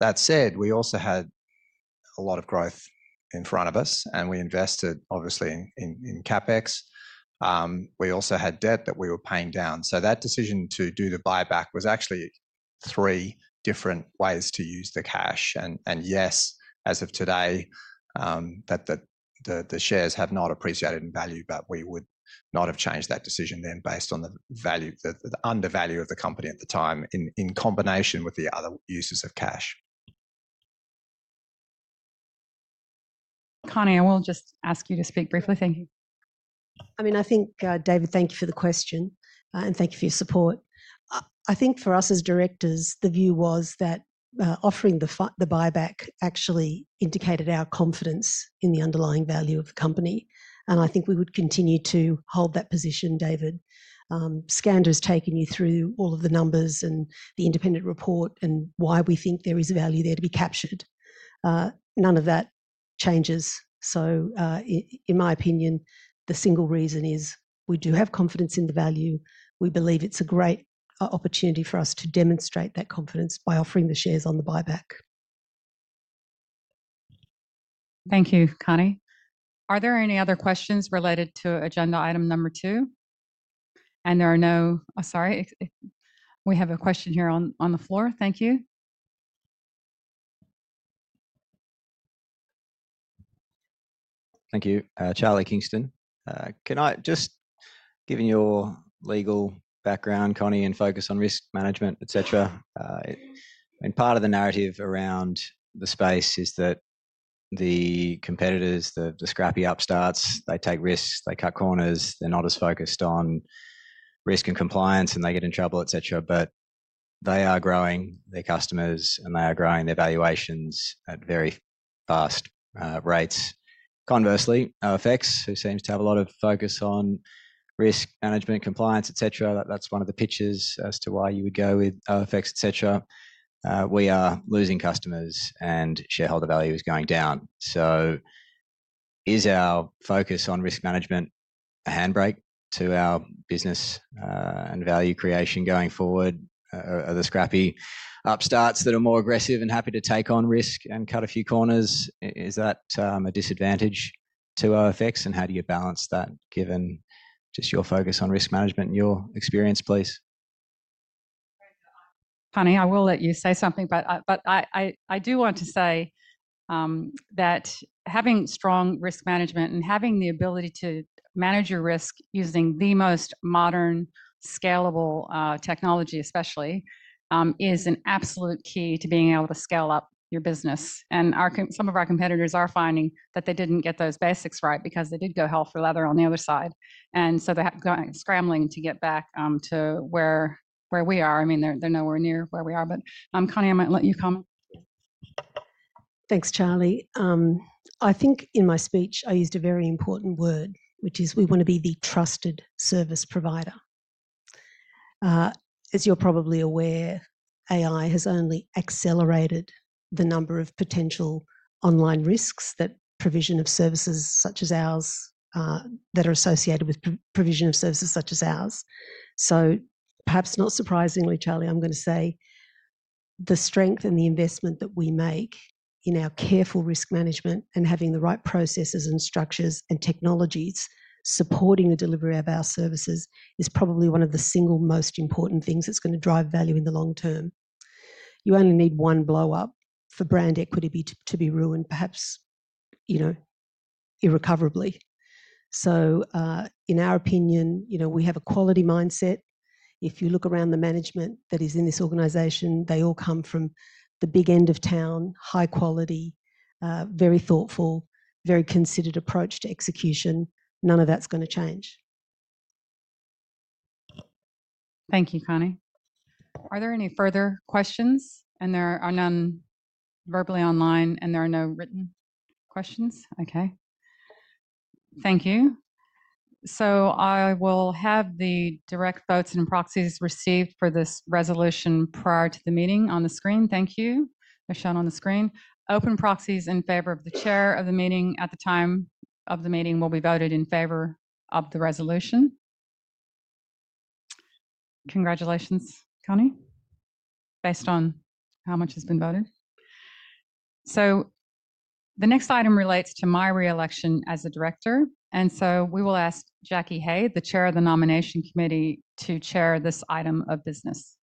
That said, we also had a lot of growth in front of us, and we invested obviously in CapEx. We also had debt that we were paying down. That decision to do the buyback was actually three different ways to use the cash. Yes, as of today, the shares have not appreciated in value, but we would not have changed that decision then based on the undervalue of the company at the time in combination with the other uses of cash. Connie, I will just ask you to speak briefly. Thank you. I mean, I think, David, thank you for the question, and thank you for your support. I think for us as directors, the view was that offering the buyback actually indicated our confidence in the underlying value of the company, and I think we would continue to hold that position, David. Skander has taken you through all of the numbers and the independent report and why we think there is value there to be captured. None of that changes. In my opinion, the single reason is we do have confidence in the value. We believe it's a great opportunity for us to demonstrate that confidence by offering the shares on the buyback. Thank you, Connie. Are there any other questions related to agenda item number two? There are no—oh, sorry, we have a question here on the floor. Thank you. Thank you. Charlie Kingston. Can I just, given your legal background, Connie, and focus on risk management, I mean, part of the narrative around the space is that the competitors, the scrappy upstarts, they take risks, they cut corners, they're not as focused on risk and compliance, and they get in trouble, but they are growing their customers, and they are growing their valuations at very fast rates. Conversely, OFX, who seems to have a lot of focus on risk management and compliance, that's one of the pitches as to why you would go with OFX. We are losing customers, and shareholder value is going down. Is our focus on risk management a handbrake to our business and value creation going forward? Are the scrappy upstarts that are more aggressive and happy to take on risk and cut a few corners a disadvantage to OFX, and how do you balance that given just your focus on risk management and your experience, please? Connie, I will let you say something, but I do want to say that having strong risk management and having the ability to manage your risk using the most modern, scalable technology, especially, is an absolute key to being able to scale up your business. Some of our competitors are finding that they didn't get those basics right because they did go hell for leather on the other side. They're scrambling to get back to where we are. I mean, they're nowhere near where we are. Connie, I might let you comment. Thanks, Charlie. I think in my speech, I used a very important word, which is we want to be the trusted service provider. As you're probably aware, AI has only accelerated the number of potential online risks that are associated with provision of services such as ours. Perhaps not surprisingly, Charlie, I'm going to say the strength and the investment that we make in our careful risk management and having the right processes and structures and technologies supporting the delivery of our services is probably one of the single most important things that's going to drive value in the long term. You only need one blow-up for brand equity to be ruined, perhaps, you know, irrecoverably. In our opinion, you know, we have a quality mindset. If you look around the management that is in this organization, they all come from the big end of town, high quality, very thoughtful, very considered approach to execution. None of that's going to change. Thank you, Connie. Are there any further questions? There are none verbally online, and there are no written questions. Thank you. I will have the direct votes and proxies received for this resolution prior to the meeting on the screen. Thank you. They're shown on the screen. Open proxies in favor of the Chair of the meeting at the time of the meeting will be voted in favor of the resolution. Congratulations, Connie, based on how much has been voted. The next item relates to my reelection as a Director. We will ask Jacqueline Hey, the Chair of the Nomination Committee, to chair this item of business.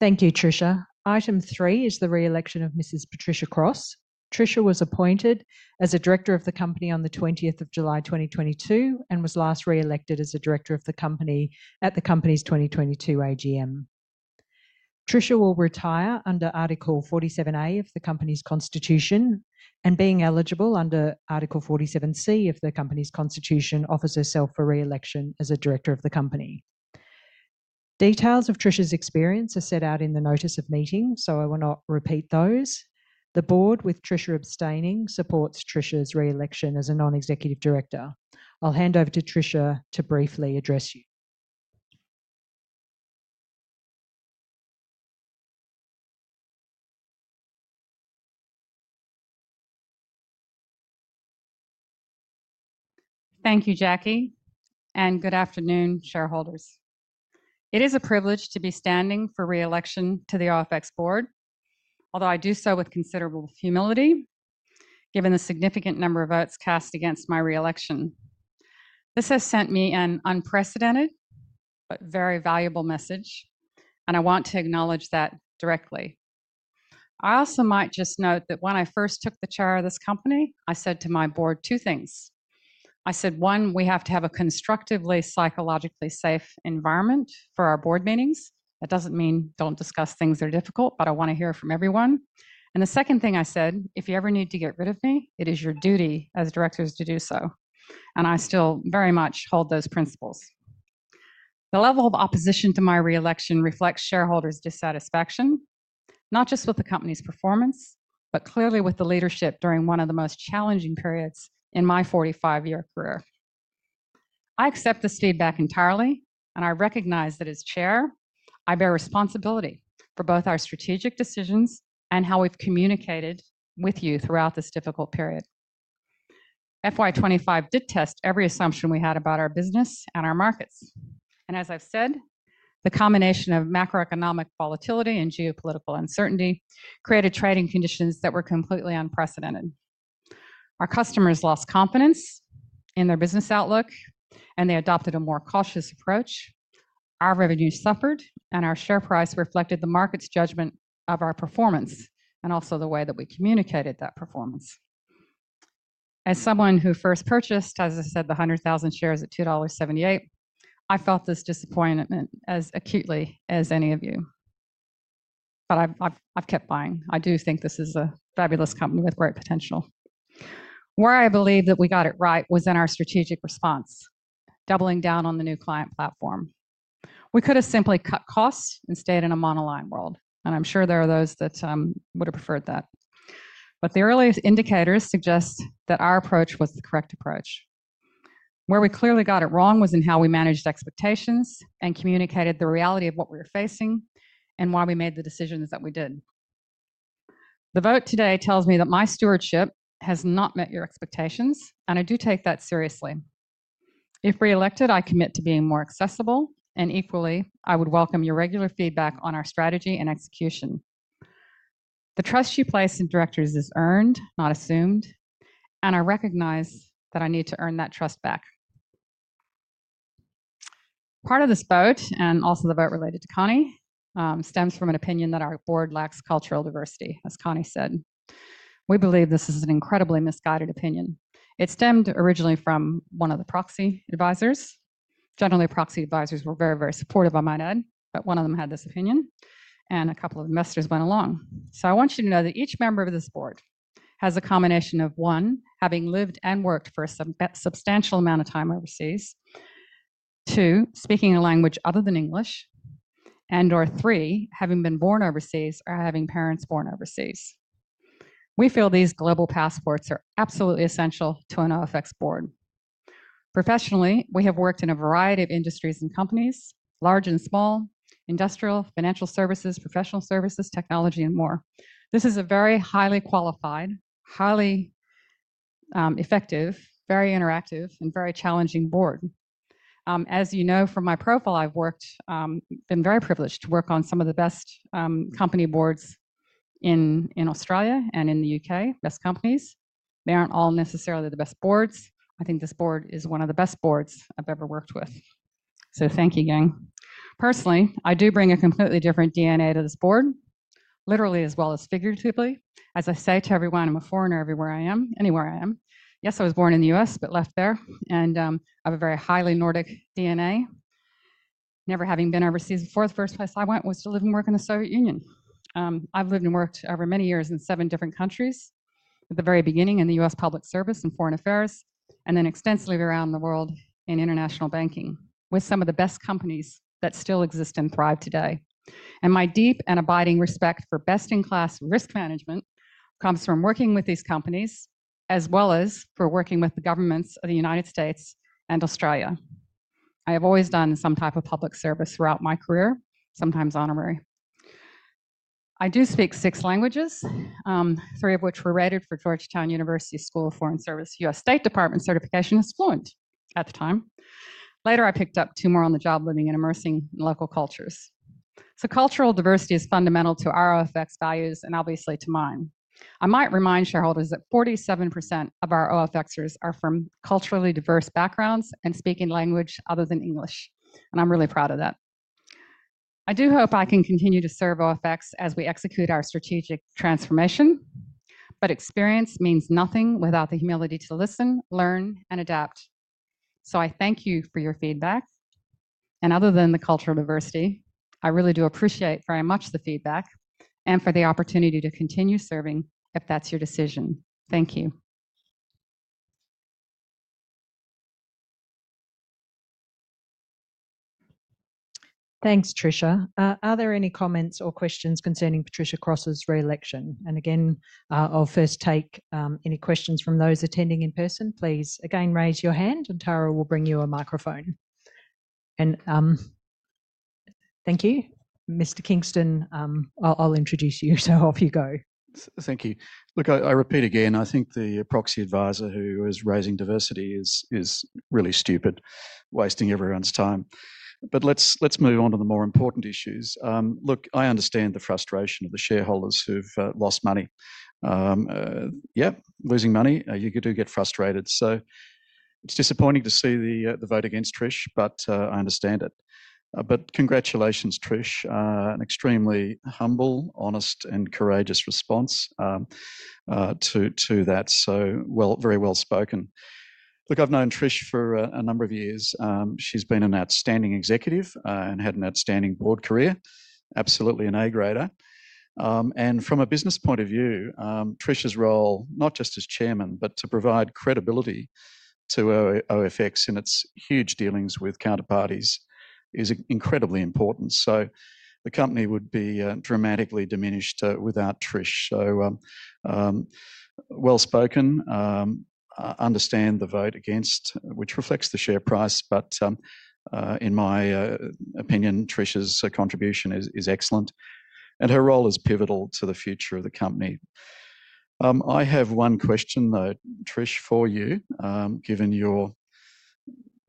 Thank you, Tricia. Item three is the re-election of Mrs. Patricia Cross. Tricia was appointed as a director of the company on the 20th of July 2022 and was last reelected as a director of the company at the company's 2022 AGM. Tricia will retire under Article 47A of the company's Constitution, and being eligible under Article 47C of the company's Constitution, offers herself for reelection as a director of the company. Details of Tricia's experience are set out in the notice of meeting, so I will not repeat those. The board, with Tricia abstaining, supports Tricia's reelection as a Non-Executive Director. I'll hand over to Tricia to briefly address you. Thank you, Jackie, and good afternoon, shareholders. It is a privilege to be standing for reelection to the OFX board, although I do so with considerable humility, given the significant number of votes cast against my reelection. This has sent me an unprecedented but very valuable message, and I want to acknowledge that directly. I also might just note that when I first took the chair of this company, I said to my board two things. I said, one, we have to have a constructively, psychologically safe environment for our board meetings. That doesn't mean don't discuss things that are difficult, but I want to hear from everyone. The second thing I said, if you ever need to get rid of me, it is your duty as directors to do so. I still very much hold those principles. The level of opposition to my reelection reflects shareholders' dissatisfaction, not just with the company's performance, but clearly with the leadership during one of the most challenging periods in my 45-year career. I accept this feedback entirely, and I recognize that as chair, I bear responsibility for both our strategic decisions and how we've communicated with you throughout this difficult period. FY 2025 did test every assumption we had about our business and our markets. As I've said, the combination of macroeconomic volatility and geopolitical uncertainty created trading conditions that were completely unprecedented. Our customers lost confidence in their business outlook, and they adopted a more cautious approach. Our revenue suffered, and our share price reflected the market's judgment of our performance and also the way that we communicated that performance. As someone who first purchased, as I said, the 100,000 shares at $2.78, I felt this disappointment as acutely as any of you. I've kept buying. I do think this is a fabulous company with great potential. Where I believe that we got it right was in our strategic response, doubling down on the New Client Platform. We could simply cut costs and stay in a monoline world. I'm sure there are those that would have preferred that. The earliest indicators suggest that our approach was the correct approach. Where we clearly got it wrong was in how we managed expectations and communicated the reality of what we were facing and why we made the decisions that we did. The vote today tells me that my stewardship has not met your expectations, and I do take that seriously. If reelected, I commit to being more accessible, and equally, I would welcome your regular feedback on our strategy and execution. The trust you place in directors is earned, not assumed, and I recognize that I need to earn that trust back. Part of this vote, and also the vote related to Connie, stems from an opinion that our board lacks cultural diversity, as Connie said. We believe this is an incredibly misguided opinion. It stemmed originally from one of the proxy advisors. Generally, proxy advisors were very, very supportive of my nod, but one of them had this opinion, and a couple of investors went along. I want you to know that each member of this board has a combination of one, having lived and worked for a substantial amount of time overseas, two, speaking a language other than English, and/or three, having been born overseas or having parents born overseas. We feel these global passports are absolutely essential to an OFX board. Professionally, we have worked in a variety of industries and companies, large and small, industrial, financial services, professional services, technology, and more. This is a very highly qualified, highly effective, very interactive, and very challenging board. As you know from my profile, I've been very privileged to work on some of the best company boards in Australia and in the U.K., best companies. They aren't all necessarily the best boards. I think this board is one of the best boards I've ever worked with. Thank you, gang. Personally, I do bring a completely different DNA to this board, literally as well as figuratively. As I say to everyone, I'm a foreigner everywhere I am, anywhere I am. Yes, I was born in the U.S. but left there, and I have a very highly Nordic DNA. Never having been overseas before, the first place I went was to live and work in the Soviet Union. I've lived and worked over many years in seven different countries, with the very beginning in the U.S. Public Service and Foreign Affairs, and then extensively around the world in international banking with some of the best companies that still exist and thrive today. My deep and abiding respect for best-in-class risk management comes from working with these companies, as well as for working with the governments of the United States and Australia. I have always done some type of public service throughout my career, sometimes honorary. I do speak six languages, three of which were rated for Georgetown University School of Foreign Service U.S. State Department certifications. Fluent at the time. Later, I picked up two more on the job, living and immersing in local cultures. Cultural diversity is fundamental to our OFX values and obviously to mine. I might remind shareholders that 47% of our OFXers are from culturally diverse backgrounds and speaking a language other than English, and I'm really proud of that. I do hope I can continue to serve OFX as we execute our strategic transformation, but experience means nothing without the humility to listen, learn, and adapt. I thank you for your feedback. Other than the cultural diversity, I really do appreciate very much the feedback and the opportunity to continue serving if that's your decision. Thank you. Thanks, Tricia. Are there any comments or questions concerning Patricia Cross's reelection? I'll first take any questions from those attending in person. Please raise your hand, and Tara will bring you a microphone. Thank you. Mr. Kingston, I'll introduce you, so off you go. Thank you. Look, I repeat again, I think the proxy advisor who is raising diversity is really stupid, wasting everyone's time. Let's move on to the more important issues. I understand the frustration of the shareholders who've lost money. Yeah, losing money, you do get frustrated. It's disappointing to see the vote against Trish, but I understand it. Congratulations, Trish. An extremely humble, honest, and courageous response to that. Very well spoken. I've known Trish for a number of years. She's been an outstanding executive and had an outstanding board career, absolutely an A-grader. From a business point of view, Trish's role, not just as Chair, but to provide credibility to OFX Group Limited in its huge dealings with counterparties, is incredibly important. The company would be dramatically diminished without Trish. Very well spoken. I understand the vote against, which reflects the share price, but in my opinion, Trish's contribution is excellent, and her role is pivotal to the future of the company. I have one question, though, Trish, for you, given your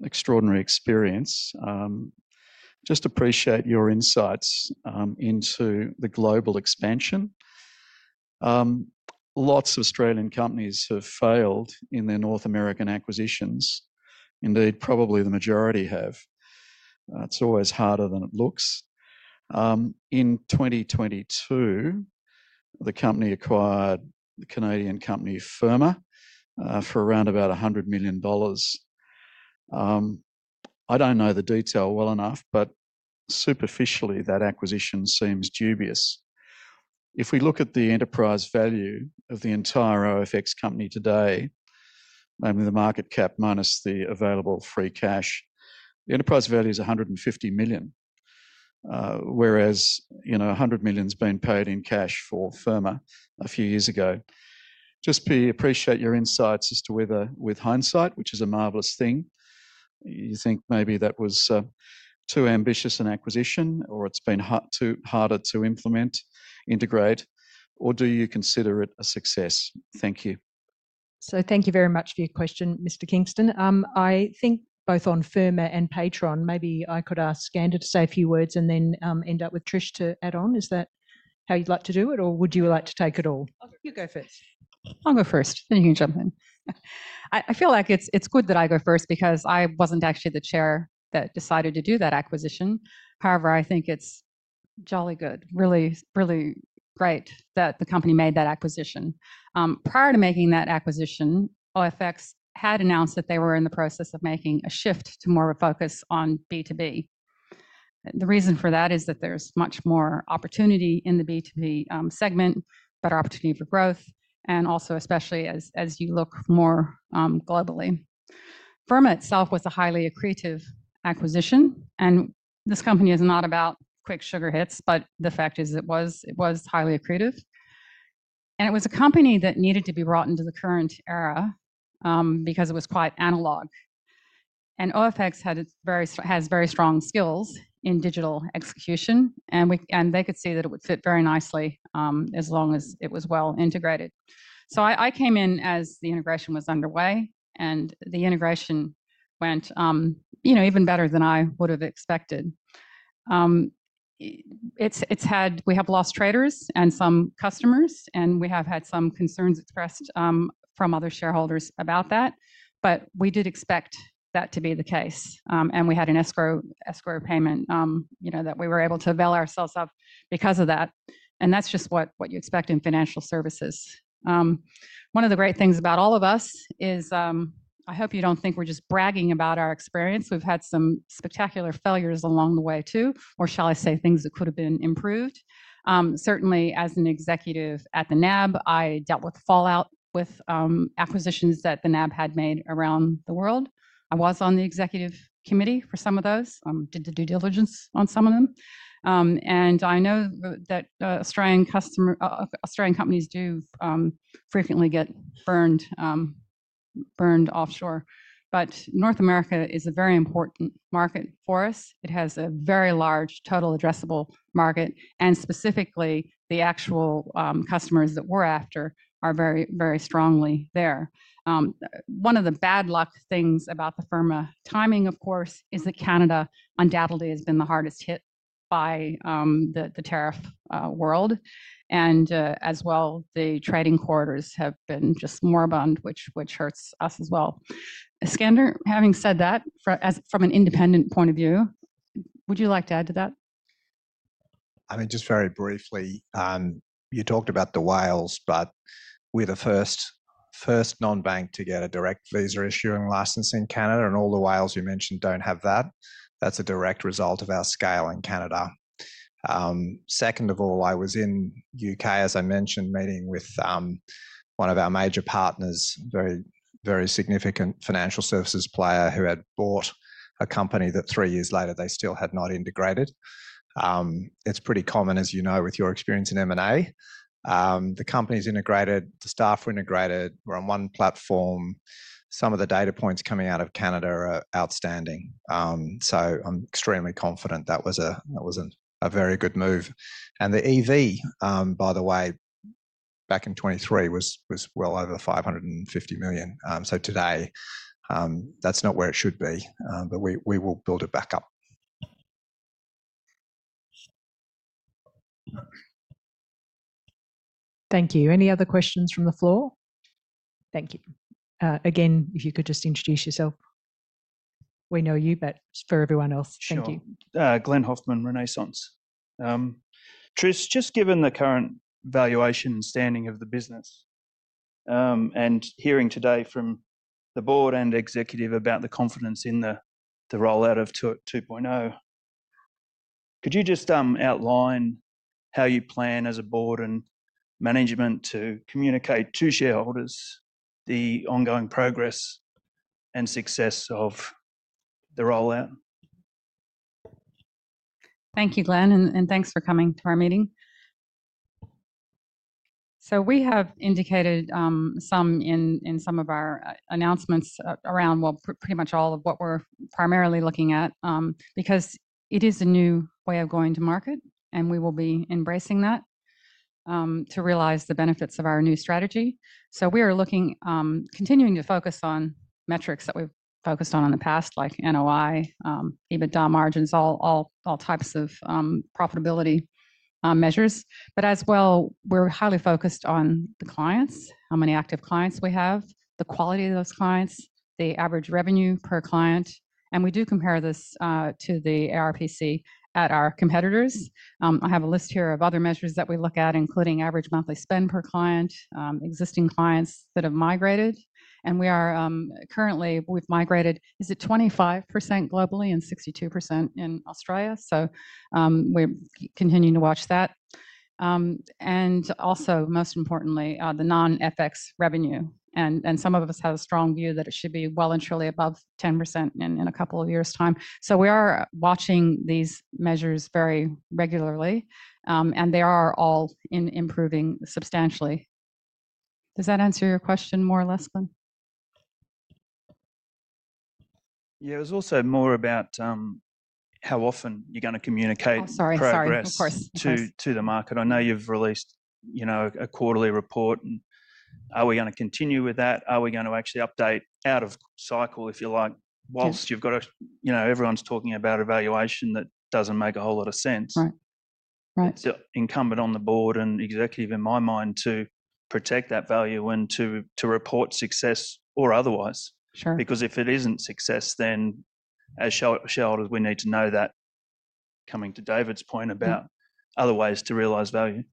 extraordinary experience. Just appreciate your insights into the global expansion. Lots of Australian companies have failed in their North American acquisitions. Indeed, probably the majority have. It's always harder than it looks. In 2022, the company acquired the Canadian company Firma for around about $100 million. I don't know the detail well enough, but superficially, that acquisition seems dubious. If we look at the enterprise value of the entire today, namely the market cap minus the available free cash, the enterprise value is $150 million, whereas $100 million has been paid in cash for Firma a few years ago. Just appreciate your insights as to whether, with hindsight, which is a marvelous thing, you think maybe that was too ambitious an acquisition or it's been too hard to implement, integrate, or do you consider it a success? Thank you. Thank you very much for your question, Mr. Kingston. I think both on Firma and Paytron, maybe I could ask Skander to say a few words and then end up with Trish to add on. Is that how you'd like to do it, or would you like to take it all? You go first. I'll go first, and you can jump in. I feel like it's good that I go first because I wasn't actually the Chair that decided to do that acquisition. However, I think it's jolly good, really, really great that the company made that acquisition. Prior to making that acquisition, OFX had announced that they were in the process of making a shift to more of a focus on B2B. The reason for that is that there's much more opportunity in the B2B segment, better opportunity for growth, and also especially as you look more globally. Firma itself was a highly accretive acquisition, and this company is not about quick sugar hits, but the fact is it was highly accretive. It was a company that needed to be brought into the current era because it was quite analog. OFX has very strong skills in digital execution, and they could see that it would fit very nicely as long as it was well integrated. I came in as the integration was underway, and the integration went even better than I would have expected. We have lost traders and some customers, and we have had some concerns expressed from other shareholders about that, but we did expect that to be the case, and we had an escrow payment that we were able to avail ourselves of because of that. That's just what you expect in financial services. One of the great things about all of us is I hope you don't think we're just bragging about our experience. We've had some spectacular failures along the way too, or shall I say things that could have been improved? Certainly, as an executive at the NAB, I dealt with fallout with acquisitions that the NAB had made around the world. I was on the executive committee for some of those, did the due diligence on some of them. I know that Australian companies do frequently get burned offshore, but North America is a very important market for us. It has a very large total addressable market, and specifically, the actual customers that we're after are very, very strongly there. One of the bad luck things about the Firma timing, of course, is that Canada undoubtedly has been the hardest hit by the tariff world, and as well, the trading quarters have been just moribund, which hurts us as well. Skander, having said that from an independent point of view, would you like to add to that? I mean, just very briefly, you talked about the whales, but we're the first non-bank to get a direct issuer issuing license in Canada, and all the whales you mentioned don't have that. That's a direct result of our scale in Canada. Second of all, I was in the U.K., as I mentioned, meeting with one of our major partners, a very, very significant financial services player who had bought a company that three years later they still had not integrated. It's pretty common, as you know, with your experience in M&A. The company's integrated, the staff were integrated, we're on one platform. Some of the data points coming out of Canada are outstanding. I'm extremely confident that was a very good move. The EV, by the way, back in 2023 was well over $550 million. Today, that's not where it should be, but we will build it back up. Thank you. Any other questions from the floor? Thank you. Again, if you could just introduce yourself. We know you, but for everyone else, thank you. Glen Hoffman, Renaissance. Trish, just given the current valuation standing of the business and hearing today from the board and executive about the confidence in the rollout of 2.0, could you just outline how you plan as a board and management to communicate to shareholders the ongoing progress and success of the rollout? Thank you, Glen, and thanks for coming to our meeting. We have indicated in some of our announcements, pretty much all of what we're primarily looking at because it is a new way of going to market, and we will be embracing that to realize the benefits of our new strategy. We are looking at continuing to focus on metrics that we've focused on in the past, like net operating income, EBITDA margins, all types of profitability measures. We are highly focused on the clients, how many active clients we have, the quality of those clients, the average revenue per client, and we do compare this to the ARPC at our competitors. I have a list here of other measures that we look at, including average monthly spend per client, existing clients that have migrated, and we are currently, we've migrated, is it 25% globally and 62% in Australia? We are continuing to watch that. Most importantly, the non-FX revenue, and some of us have a strong view that it should be well and truly above 10% in a couple of years' time. We are watching these measures very regularly, and they are all improving substantially. Does that answer your question more or less, Glen? Yeah, it was also more about how often you're going to communicate. Sorry, of course. To the market. I know you've released a quarterly report. Are we going to continue with that? Are we going to actually update out of cycle, if you like, whilst you've got a, you know, everyone's talking about a valuation that doesn't make a whole lot of sense. Right, right. Incumbent on the Board and executive, in my mind, to protect that value and to report success or otherwise. Sure. Because if it isn't success, then as shareholders, we need to know that, coming to David's point about other ways to realize value.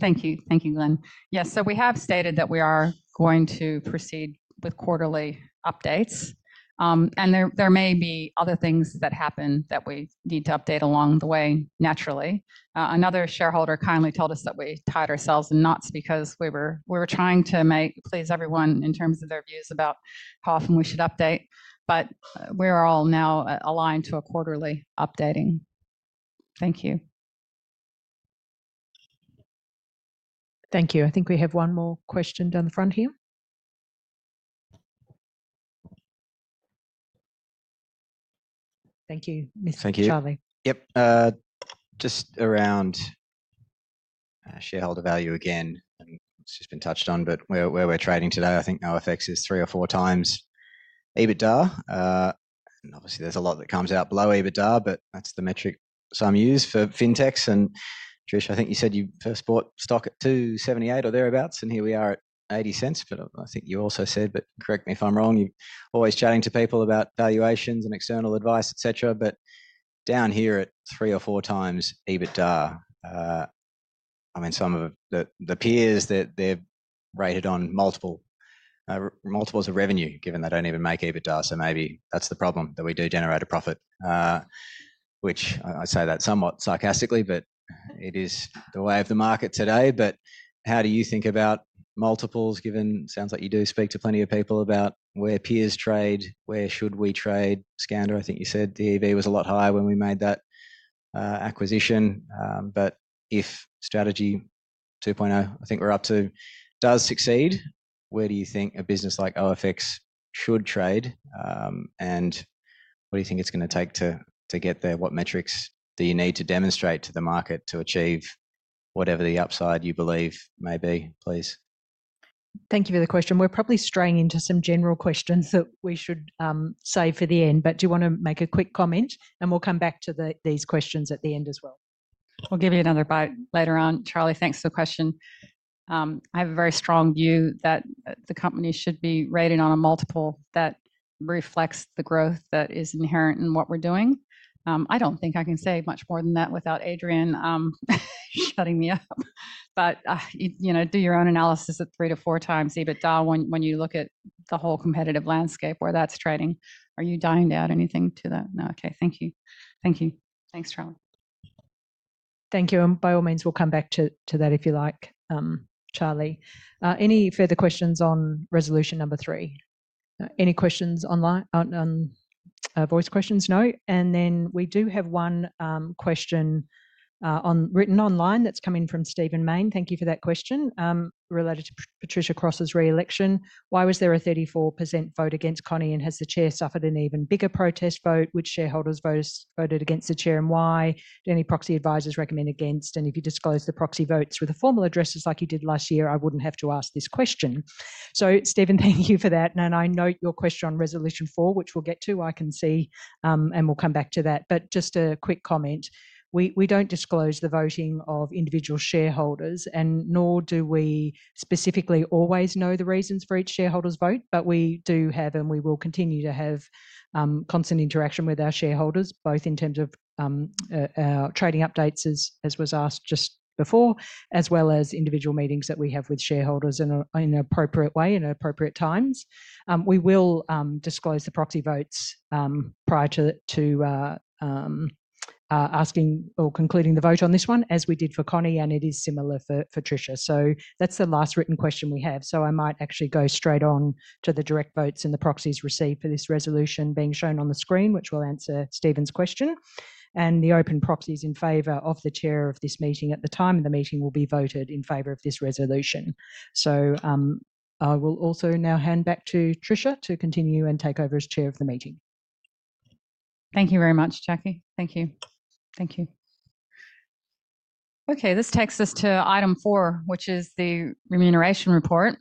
Thank you. Thank you, Glen. Yes, we have stated that we are going to proceed with quarterly updates, and there may be other things that happen that we need to update along the way naturally. Another shareholder kindly told us that we tied ourselves in knots because we were trying to please everyone in terms of their views about how often we should update, but we're all now aligned to a quarterly updating. Thank you. Thank you. I think we have one more question down the front here. Thank you, Mr. Charlie. Yep. Just around shareholder value again, and it's just been touched on, but where we're trading today, I think OFX is three or four times EBITDA. Obviously, there's a lot that comes out below EBITDA, but that's the metric some use for fintechs. Trish, I think you said you first bought stock at $2.78 or thereabouts, and here we are at $0.80. I think you also said, but correct me if I'm wrong, you're always chatting to people about valuations and external advice, et cetera. Down here at three or four times EBITDA, some of the peers are rated on multiples of revenue, given they don't even make EBITDA. Maybe that's the problem that we do generate a profit, which I say somewhat sarcastically, but it is the way of the market today. How do you think about multiples given it sounds like you do speak to plenty of people about where peers trade, where should we trade? Skander, I think you said the EV was a lot higher when we made that acquisition. If strategy OFX 2.0, I think we're up to, does succeed, where do you think a business like OFX should trade, and what do you think it's going to take to get there? What metrics do you need to demonstrate to the market to achieve whatever the upside you believe may be, please? Thank you for the question. We're probably straying into some general questions that we should save for the end. Do you want to make a quick comment, and we'll come back to these questions at the end as well? I'll give you another vote later on. Charlie, thanks for the question. I have a very strong view that the company should be rated on a multiple that reflects the growth that is inherent in what we're doing. I don't think I can say much more than that without Adrian shutting me up. You know, do your own analysis at 3-4x EBITDA when you look at the whole competitive landscape where that's trading. Are you dying to add anything to that? No, OK, thank you. Thank you. Thanks, Charlie. Thank you. By all means, we'll come back to that if you like, Charlie. Any further questions on resolution number three? Any questions online? Voice questions? No. We do have one question written online that's coming from Stephen Main. Thank you for that question related to Patricia Cross's reelection. Why was there a 34% vote against Connie, and has the Chair suffered an even bigger protest vote? Which shareholders voted against the Chair, and why? Did any proxy advisors recommend against? If you disclose the proxy votes with a formal address, just like you did last year, I wouldn't have to ask this question. Stephen, thank you for that. I note your question on resolution four, which we'll get to. I can see, and we'll come back to that. Just a quick comment. We don't disclose the voting of individual shareholders, nor do we specifically always know the reasons for each shareholder's vote, but we do have, and we will continue to have, constant interaction with our shareholders, both in terms of our trading updates, as was asked just before, as well as individual meetings that we have with shareholders in an appropriate way and at appropriate times. We will disclose the proxy votes prior to asking or concluding the vote on this one, as we did for Connie, and it is similar for Tricia. That's the last written question we have. I might actually go straight on to the direct votes and the proxies received for this resolution being shown on the screen, which will answer Stephen's question. The open proxies in favor of the Chair of this meeting at the time of the meeting will be voted in favor of this resolution. I will also now hand back to Tricia to continue and take over as Chair of the meeting. Thank you very much, Jackie. Thank you. Thank you. OK, this takes us to item four, which is the remuneration report.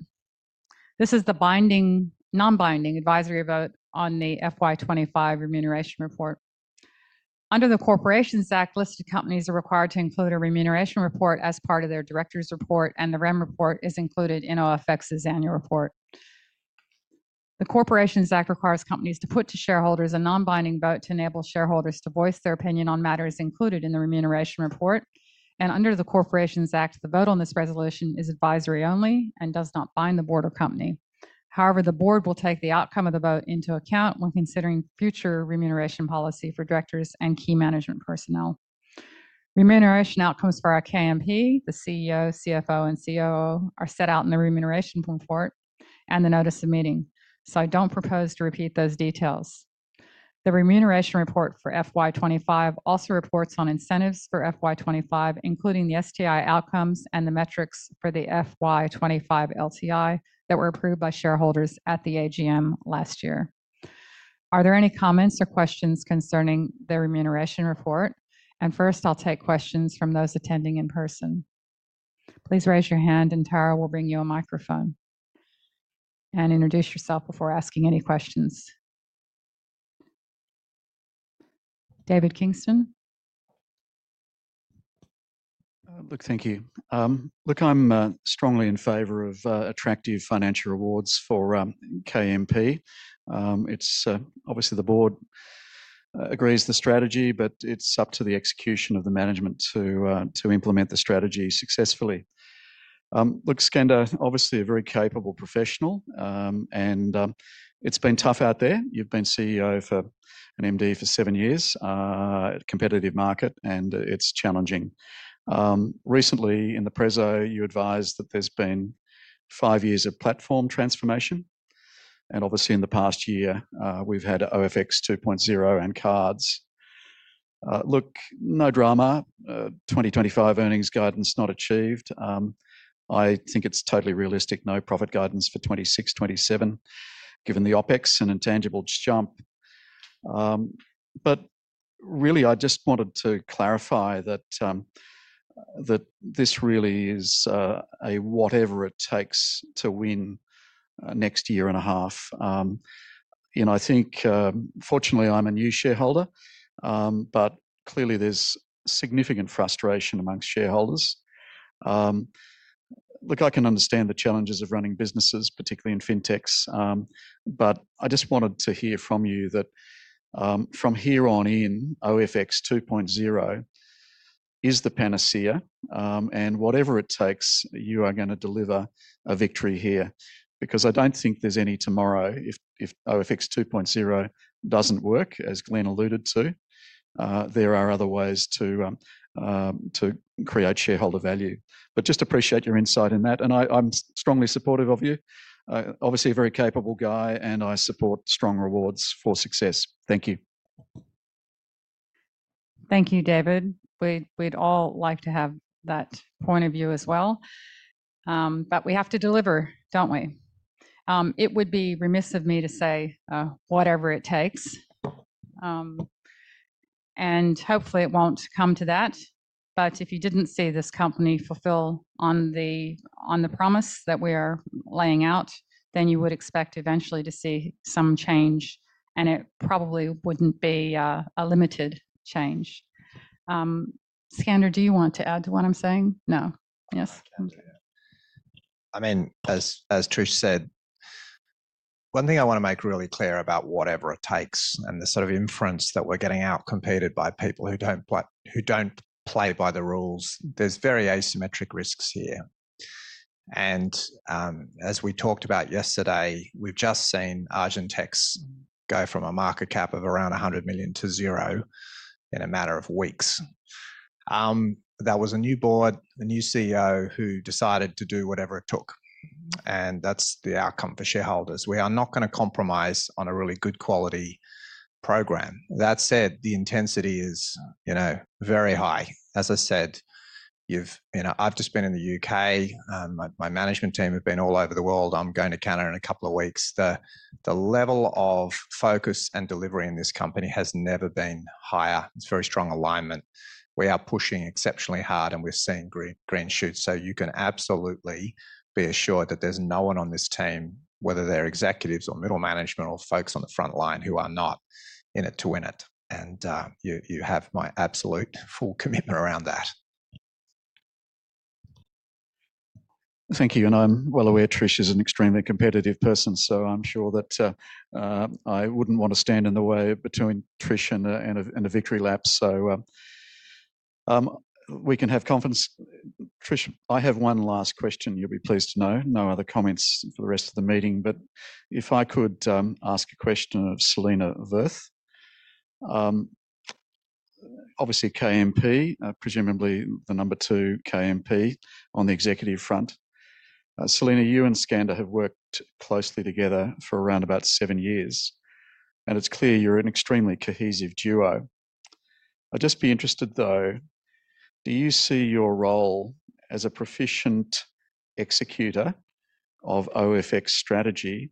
This is the binding, non-binding advisory vote on the FY 2025 remuneration report. Under the Corporations Act, listed companies are required to include a remuneration report as part of their directors report, and the remuneration report is included in OFX's annual report. The Corporations Act requires companies to put to shareholders a non-binding vote to enable shareholders to voice their opinion on matters included in the remuneration report. Under the Corporations Act, the vote on this resolution is advisory only and does not bind the board or company. However, the board will take the outcome of the vote into account when considering future remuneration policy for directors and key management personnel. Remuneration outcomes for our KMP, the CEO, CFO, and COO, are set out in the remuneration report and the notice of meeting. I don't propose to repeat those details. The remuneration report for FY 2025 also reports on incentives for FY 2025, including the STI outcomes and the metrics for the FY 2025 LTI that were approved by shareholders at the AGM last year. Are there any comments or questions concerning the remuneration report? First, I'll take questions from those attending in person. Please raise your hand, and Tara will bring you a microphone and introduce yourself before asking any questions. David Kingston. Thank you. I'm strongly in favor of attractive financial rewards for KMP. Obviously, the board agrees the strategy, but it's up to the execution of the management to implement the strategy successfully. Skander, obviously a very capable professional, and it's been tough out there. You've been CEO and MD for seven years at a competitive market, and it's challenging. Recently, in the Prezo, you advised that there's been five years of platform transformation, and in the past year, we've had OFX 2.0 and cards. No drama. 2025 earnings guidance not achieved. I think it's totally realistic no profit guidance for 2026, 2027, given the OpEx and intangibles jump. I just wanted to clarify that this really is a whatever it takes to win next year and a half. Fortunately, I'm a new shareholder, but clearly, there's significant frustration amongst shareholders. I can understand the challenges of running businesses, particularly in fintechs, but I just wanted to hear from you that from here on in, OFX 2.0 is the panacea, and whatever it takes, you are going to deliver a victory here because I don't think there's any tomorrow. If OFX 2.0 doesn't work, as Glen alluded to, there are other ways to create shareholder value. I appreciate your insight in that, and I'm strongly supportive of you. Obviously, a very capable guy, and I support strong rewards for success. Thank you. Thank you, David. We'd all like to have that point of view as well. We have to deliver, don't we? It would be remiss of me to say whatever it takes, and hopefully, it won't come to that. If you didn't see this company fulfill on the promise that we are laying out, then you would expect eventually to see some change, and it probably wouldn't be a limited change. Skander, do you want to add to what I'm saying? No. Yes? I mean, as Trish said, one thing I want to make really clear about whatever it takes and the sort of inference that we're getting outcompeted by people who don't play by the rules, there's very asymmetric risks here. As we talked about yesterday, we've just seen Argentex go from a market cap of around $100 million to $0 in a matter of weeks. That was a new board, a new CEO who decided to do whatever it took, and that's the outcome for shareholders. We are not going to compromise on a really good quality program. That said, the intensity is very high. As I said, I've just been in the U.K.. My management team have been all over the world. I'm going to Canada in a couple of weeks. The level of focus and delivery in this company has never been higher. It's very strong alignment. We are pushing exceptionally hard, and we've seen green shoots. You can absolutely be assured that there's no one on this team, whether they're executives or middle management or folks on the front line, who are not in it to win it. You have my absolute full commitment around that. Thank you. I'm well aware Trish is an extremely competitive person, so I'm sure that I wouldn't want to stand in the way between Trish and a victory lap. We can have confidence. Trish, I have one last question. You'll be pleased to know. No other comments for the rest of the meeting. If I could ask a question of Selena Verth, obviously KMP, presumably the number two KMP on the executive front. Selena, you and Skander have worked closely together for around about seven years, and it's clear you're an extremely cohesive duo. I'd just be interested, though, do you see your role as a proficient executor of OFX strategy,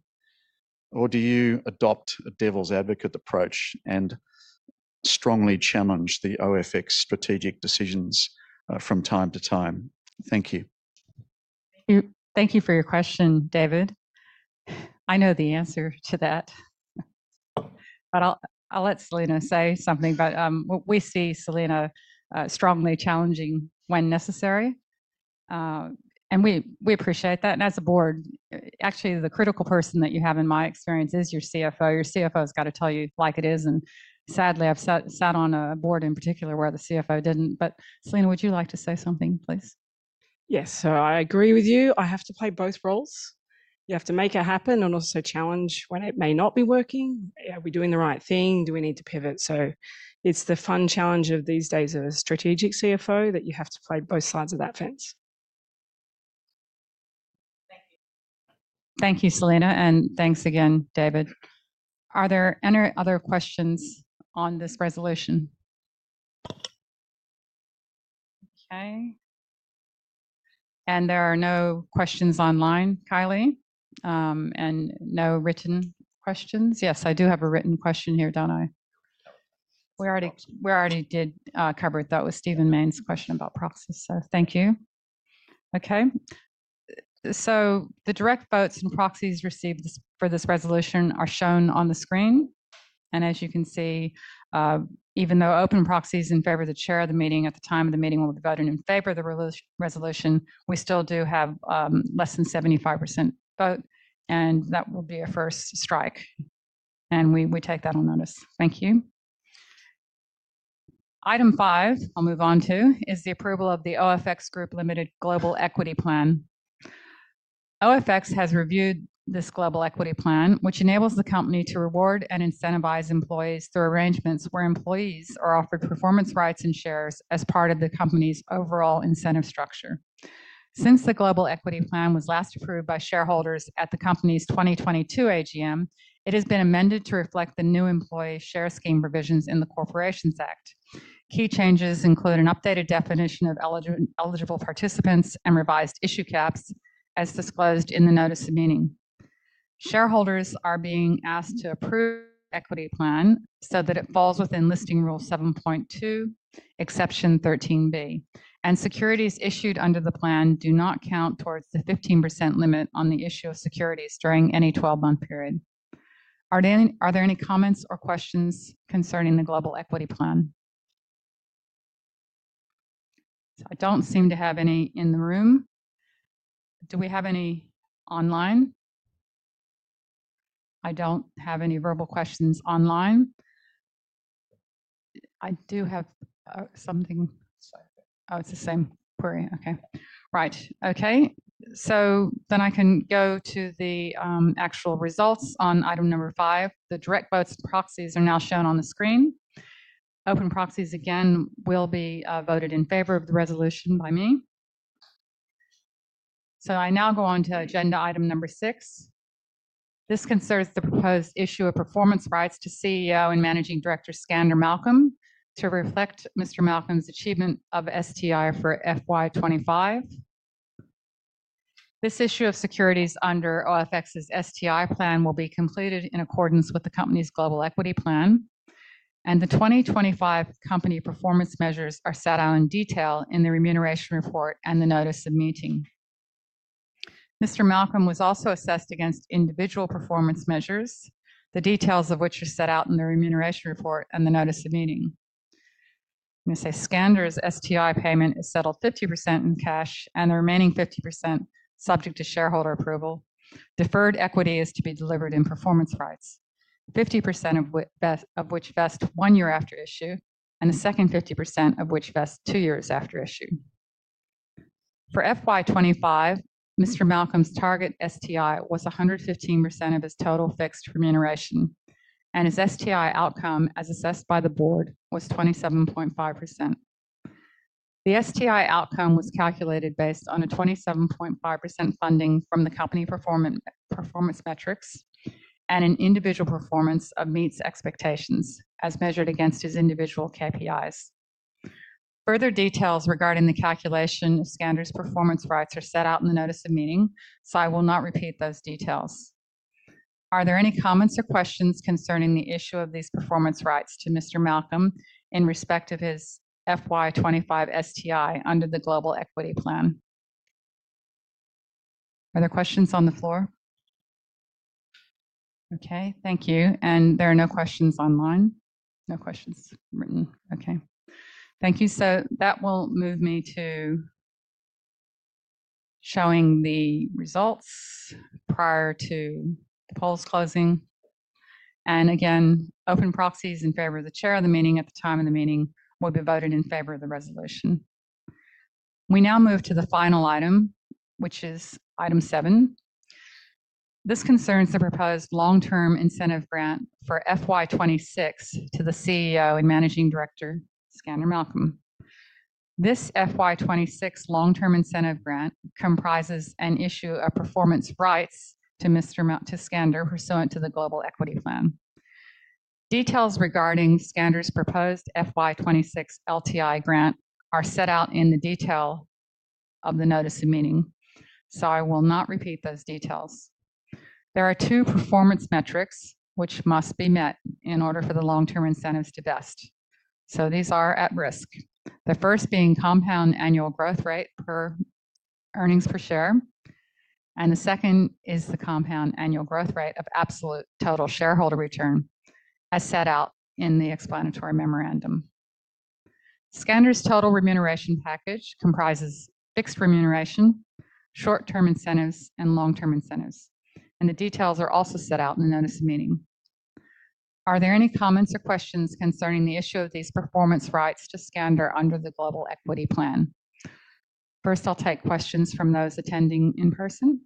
or do you adopt a devil's advocate approach and strongly challenge the OFX strategic decisions from time to time? Thank you. Thank you for your question, David. I know the answer to that, but I'll let Selena say something about what we see. Selena strongly challenging when necessary, and we appreciate that. As a board, actually, the critical person that you have in my experience is your CFO. Your CFO has got to tell you like it is. Sadly, I've sat on a board in particular where the CFO didn't. Selena, would you like to say something, please? Yes. I agree with you. I have to play both roles. You have to make it happen and also challenge when it may not be working. Are we doing the right thing? Do we need to pivot? It's the fun challenge these days of a strategic CFO that you have to play both sides of that fence. Thank you, Selena, and thanks again, David. Are there any other questions on this resolution? OK. There are no questions online, Kylie, and no written questions. Yes, I do have a written question here, don't I? We already did cover it. That was Stephen Main's question about proxies. Thank you. The direct votes and proxies received for this resolution are shown on the screen. As you can see, even though open proxies in favor of the Chair of the meeting at the time of the meeting will be voted in favor of the resolution, we still do have less than 75% vote, and that will be a first strike, and we take that on notice. Thank you. Item five I'll move on to is the approval of the OFX Group Limited Global Equity Plan. OFX has reviewed this Global Equity Plan, which enables the company to reward and incentivize employees through arrangements where employees are offered performance rights and shares as part of the company's overall incentive structure. Since the Global Equity Plan was last approved by shareholders at the company's 2022 AGM, it has been amended to reflect the new employee share scheme revisions in the Corporations Act. Key changes include an updated definition of eligible participants and revised issue caps, as disclosed in the notice of meeting. Shareholders are being asked to approve the Equity Plan so that it falls within Listing Rule 7.2, exception 13B. Securities issued under the plan do not count towards the 15% limit on the issue of securities during any 12-month period. Are there any comments or questions concerning the Global Equity Plan? I don't seem to have any in the room. Do we have any online? I don't have any verbal questions online. I do have something. Oh, it's the same query. OK. Right. I can go to the actual results on item number five. The direct votes proxies are now shown on the screen. Open proxies again will be voted in favor of the resolution by me. I now go on to agenda item number six. This concerns the proposed issue of performance rights to CEO and Managing Director Skander Malcolm to reflect Mr. Malcolm's achievement of STI for FY 2025. This issue of securities under OFX's STI plan will be completed in accordance with the company's Global Equity Plan, and the 2025 company performance measures are set out in detail in the remuneration report and the notice of meeting. Mr. Malcolm was also assessed against individual performance measures, the details of which are set out in the remuneration report and the notice of meeting. I'm going to say Skander's STI payment is settled 50% in cash and the remaining 50% subject to shareholder approval. Deferred equity is to be delivered in performance rights, 50% of which vest one year after issue, and the second 50% of which vest two years after issue. For FY 2025, Mr. Malcolm's target STI was 115% of his total fixed remuneration, and his STI outcome, as assessed by the board, was 27.5%. The STI outcome was calculated based on a 27.5% funding from the company performance metrics and an individual performance of meets expectations as measured against his individual KPIs. Further details regarding the calculation of Skander's performance rights are set out in the notice of meeting, so I will not repeat those details. Are there any comments or questions concerning the issue of these performance rights to Mr. Malcolm in respect of his FY 2025 STI under the global equity plan? Are there questions on the floor? OK. Thank you. There are no questions online. No questions written. OK. Thank you. That will move me to showing the results prior to the polls closing. Again, open proxies in favor of the Chair of the meeting at the time of the meeting will be voted in favor of the resolution. We now move to the final item, which is item seven. This concerns the proposed long-term incentive grant for FY 2026 to the CEO and Managing Director Skander Malcolm. This FY 2026 long-term incentive grant comprises an issue of performance rights to Skander, pursuant to the global equity plan. Details regarding Skander's proposed FY 2026 LTI grant are set out in the detail of the notice of meeting, so I will not repeat those details. There are two performance metrics which must be met in order for the long-term incentives to vest. These are at risk, the first being compound annual growth rate per earnings per share, and the second is the compound annual growth rate of absolute total shareholder return, as set out in the explanatory memorandum. Skander's total remuneration package comprises fixed remuneration, short-term incentives, and long-term incentives, and the details are also set out in the notice of meeting. Are there any comments or questions concerning the issue of these performance rights to Skander under the global equity plan? First, I'll take questions from those attending in person.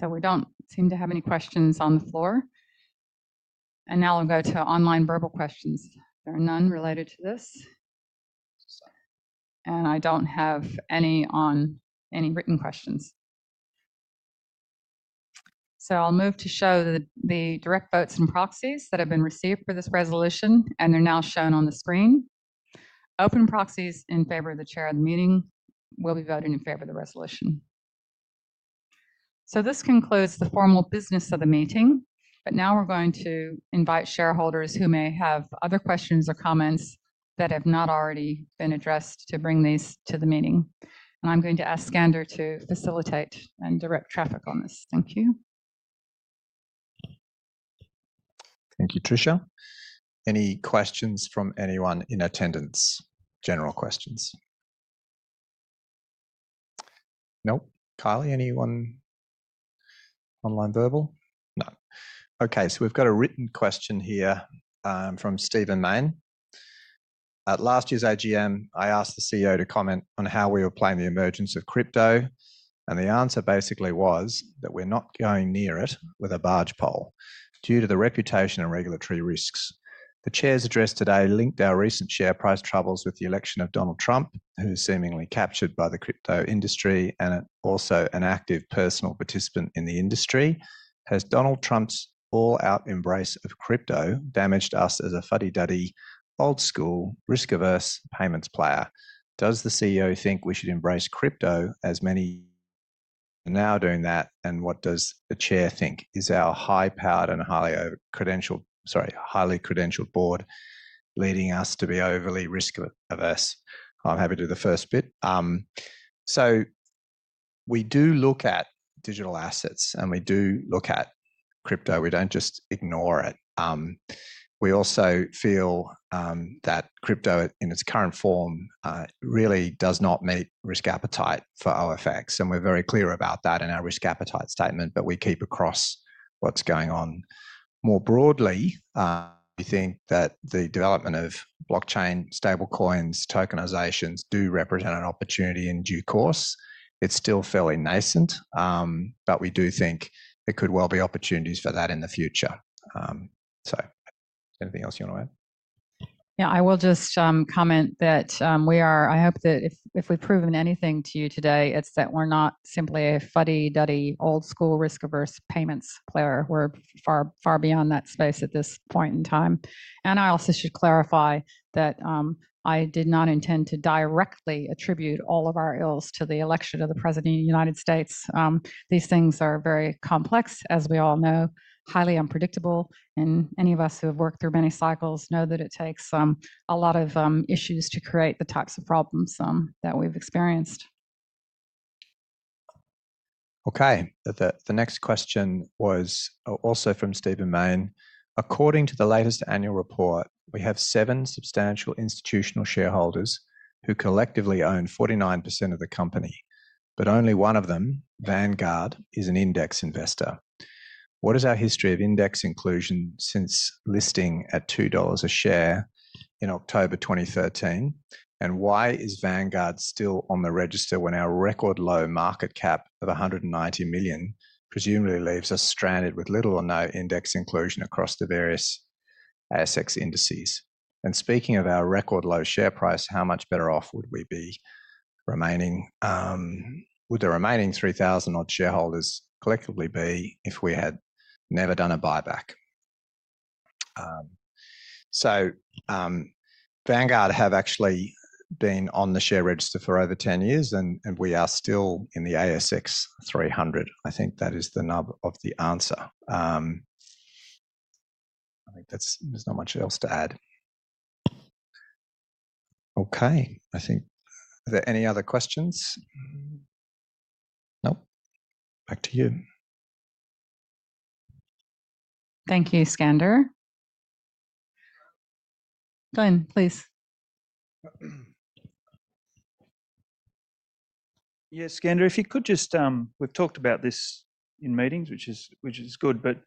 We don't seem to have any questions on the floor. I'll go to online verbal questions. There are none related to this, and I don't have any written questions. I'll move to show the direct votes and proxies that have been received for this resolution, and they're now shown on the screen. Open proxies in favor of the Chair of the meeting will be voted in favor of the resolution. This concludes the formal business of the meeting, but now we're going to invite shareholders who may have other questions or comments that have not already been addressed to bring these to the meeting. I'm going to ask Skander to facilitate and direct traffic on this. Thank you. Thank you, Tricia. Any questions from anyone in attendance? General questions? Nope. Kylie, anyone online verbal? None. OK. We've got a written question here from Stephen Main. At last year's AGM, I asked the CEO to comment on how we were planning the emergence of crypto, and the answer basically was that we're not going near it with a barge pole due to the reputation and regulatory risks. The Chair's address today linked our recent share price troubles with the election of Donald Trump, who is seemingly captured by the crypto industry and also an active personal participant in the industry. Has Donald Trump's all-out embrace of crypto damaged us as a fuddy-duddy, old-school, risk-averse payments player? Does the CEO think we should embrace crypto as many are now doing that, and what does the Chair think? Is our high-powered and highly credentialed board leading us to be overly risk-averse? I'm happy to do the first bit. We do look at digital assets, and we do look at crypto. We don't just ignore it. We also feel that crypto in its current form really does not meet risk appetite for OFX, and we're very clear about that in our risk appetite statement, but we keep across what's going on. More broadly, we think that the development of blockchain, stablecoins, tokenizations do represent an opportunity in due course. It's still fairly nascent, but we do think there could well be opportunities for that in the future. Anything else you want to add? I will just comment that we are, I hope that if we've proven anything to you today, it's that we're not simply a fuddy-duddy, old-school, risk-averse payments player. We're far beyond that space at this point in time. I also should clarify that I did not intend to directly attribute all of our ills to the election of the president of the United States. These things are very complex, as we all know, highly unpredictable, and any of us who have worked through many cycles know that it takes a lot of issues to create the types of problems that we've experienced. OK. The next question was also from Stephen Main. According to the latest annual report, we have seven substantial institutional shareholders who collectively own 49% of the company, but only one of them, Vanguard, is an index investor. What is our history of index inclusion since listing at $2 a share in October 2013, and why is Vanguard still on the register when our record low market cap of $190 million presumably leaves us stranded with little or no index inclusion across the various ASX indices? Speaking of our record low share price, how much better off would we be with the remaining 3,000-odd shareholders collectively if we had never done a buyback? Vanguard have actually been on the share register for over 10 years, and we are still in the ASX 300. I think that is the nub of the answer. I think there's not much else to add. OK. I think are there any other questions? Nope. Back to you. Thank you, Skander. Glen, please. Yeah, Skander, if you could just, we've talked about this in meetings, which is good, but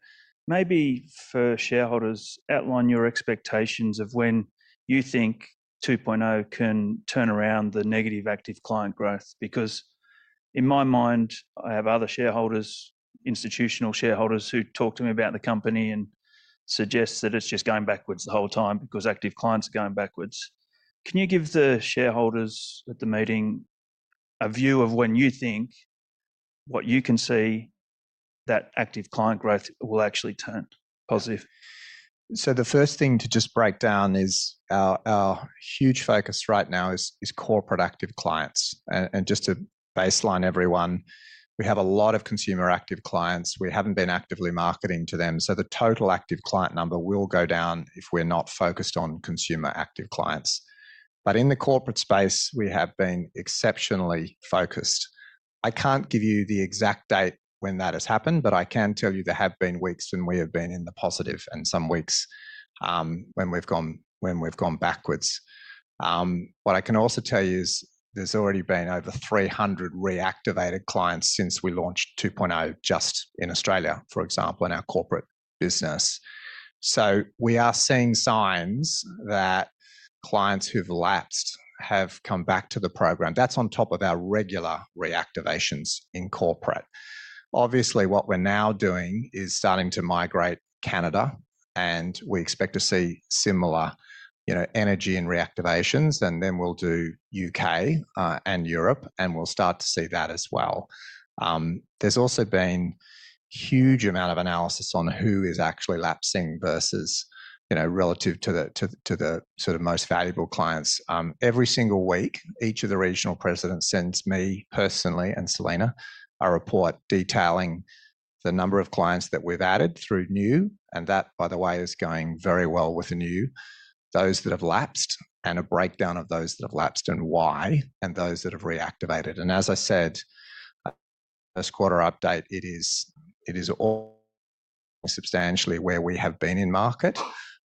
maybe for shareholders, outline your expectations of when you think 2.0 can turn around the negative active client growth. In my mind, I have other shareholders, institutional shareholders who talk to me about the company and suggest that it's just going backwards the whole time because active clients are going backwards. Can you give the shareholders at the meeting a view of when you think, what you can see, that active client growth will actually turn positive? The first thing to just break down is our huge focus right now is core productive clients. Just to baseline everyone, we have a lot of consumer active clients. We haven't been actively marketing to them. The total active client number will go down if we're not focused on consumer active clients. In the corporate space, we have been exceptionally focused. I can't give you the exact date when that has happened, but I can tell you there have been weeks when we have been in the positive and some weeks when we've gone backwards. What I can also tell you is there's already been over 300 reactivated clients since we launched OFX 2.0 just in Australia, for example, in our corporate business. We are seeing signs that clients who've lapsed have come back to the program. That's on top of our regular reactivations in corporate. Obviously, what we're now doing is starting to migrate to Canada, and we expect to see similar energy in reactivations. We will do U.K. and Europe, and we'll start to see that as well. There's also been a huge amount of analysis on who is actually lapsing relative to the sort of most valuable clients. Every single week, each of the regional presidents sends me personally and Selena a report detailing the number of clients that we've added through new, and that, by the way, is going very well with new, those that have lapsed, and a breakdown of those that have lapsed and why, and those that have reactivated. As I said, first quarter update, it is all substantially where we have been in market.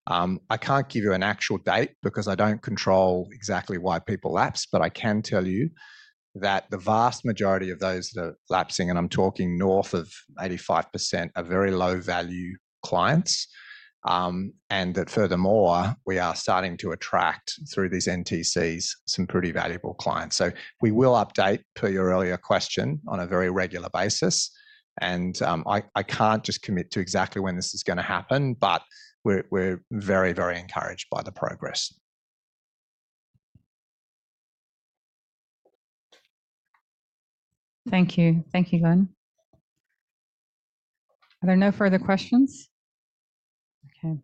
I can't give you an actual date because I don't control exactly why people lapse, but I can tell you that the vast majority of those that are lapsing, and I'm talking north of 85%, are very low-value clients, and furthermore, we are starting to attract through these NTCs some pretty valuable clients. We will update, per your earlier question, on a very regular basis, and I can't just commit to exactly when this is going to happen, but we're very, very encouraged by the progress. Thank you. Thank you, Glen. Are there no further questions? OK.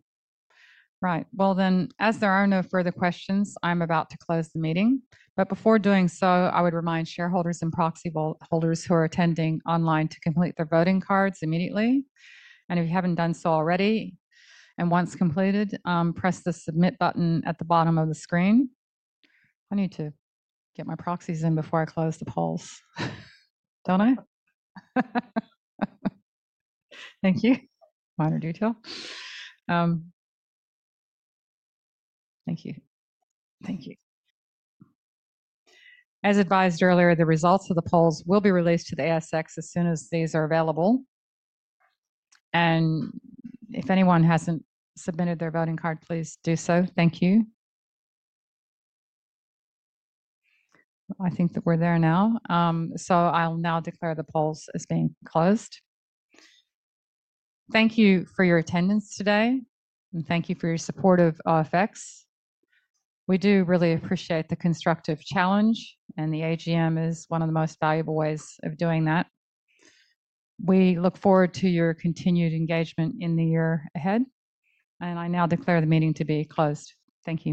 As there are no further questions, I'm about to close the meeting. Before doing so, I would remind shareholders and proxy holders who are attending online to complete their voting cards immediately if you haven't done so already, and once completed, press the submit button at the bottom of the screen. I need to get my proxies in before I close the polls, don't I? Thank you. Minor detail. Thank you. Thank you. As advised earlier, the results of the polls will be released to the ASX as soon as these are available. If anyone hasn't submitted their voting card, please do so. Thank you. I think that we're there now. I'll now declare the polls as being closed. Thank you for your attendance today, and thank you for your support of OFX. We do really appreciate the constructive challenge, and the AGM is one of the most valuable ways of doing that. We look forward to your continued engagement in the year ahead, and I now declare the meeting to be closed. Thank you.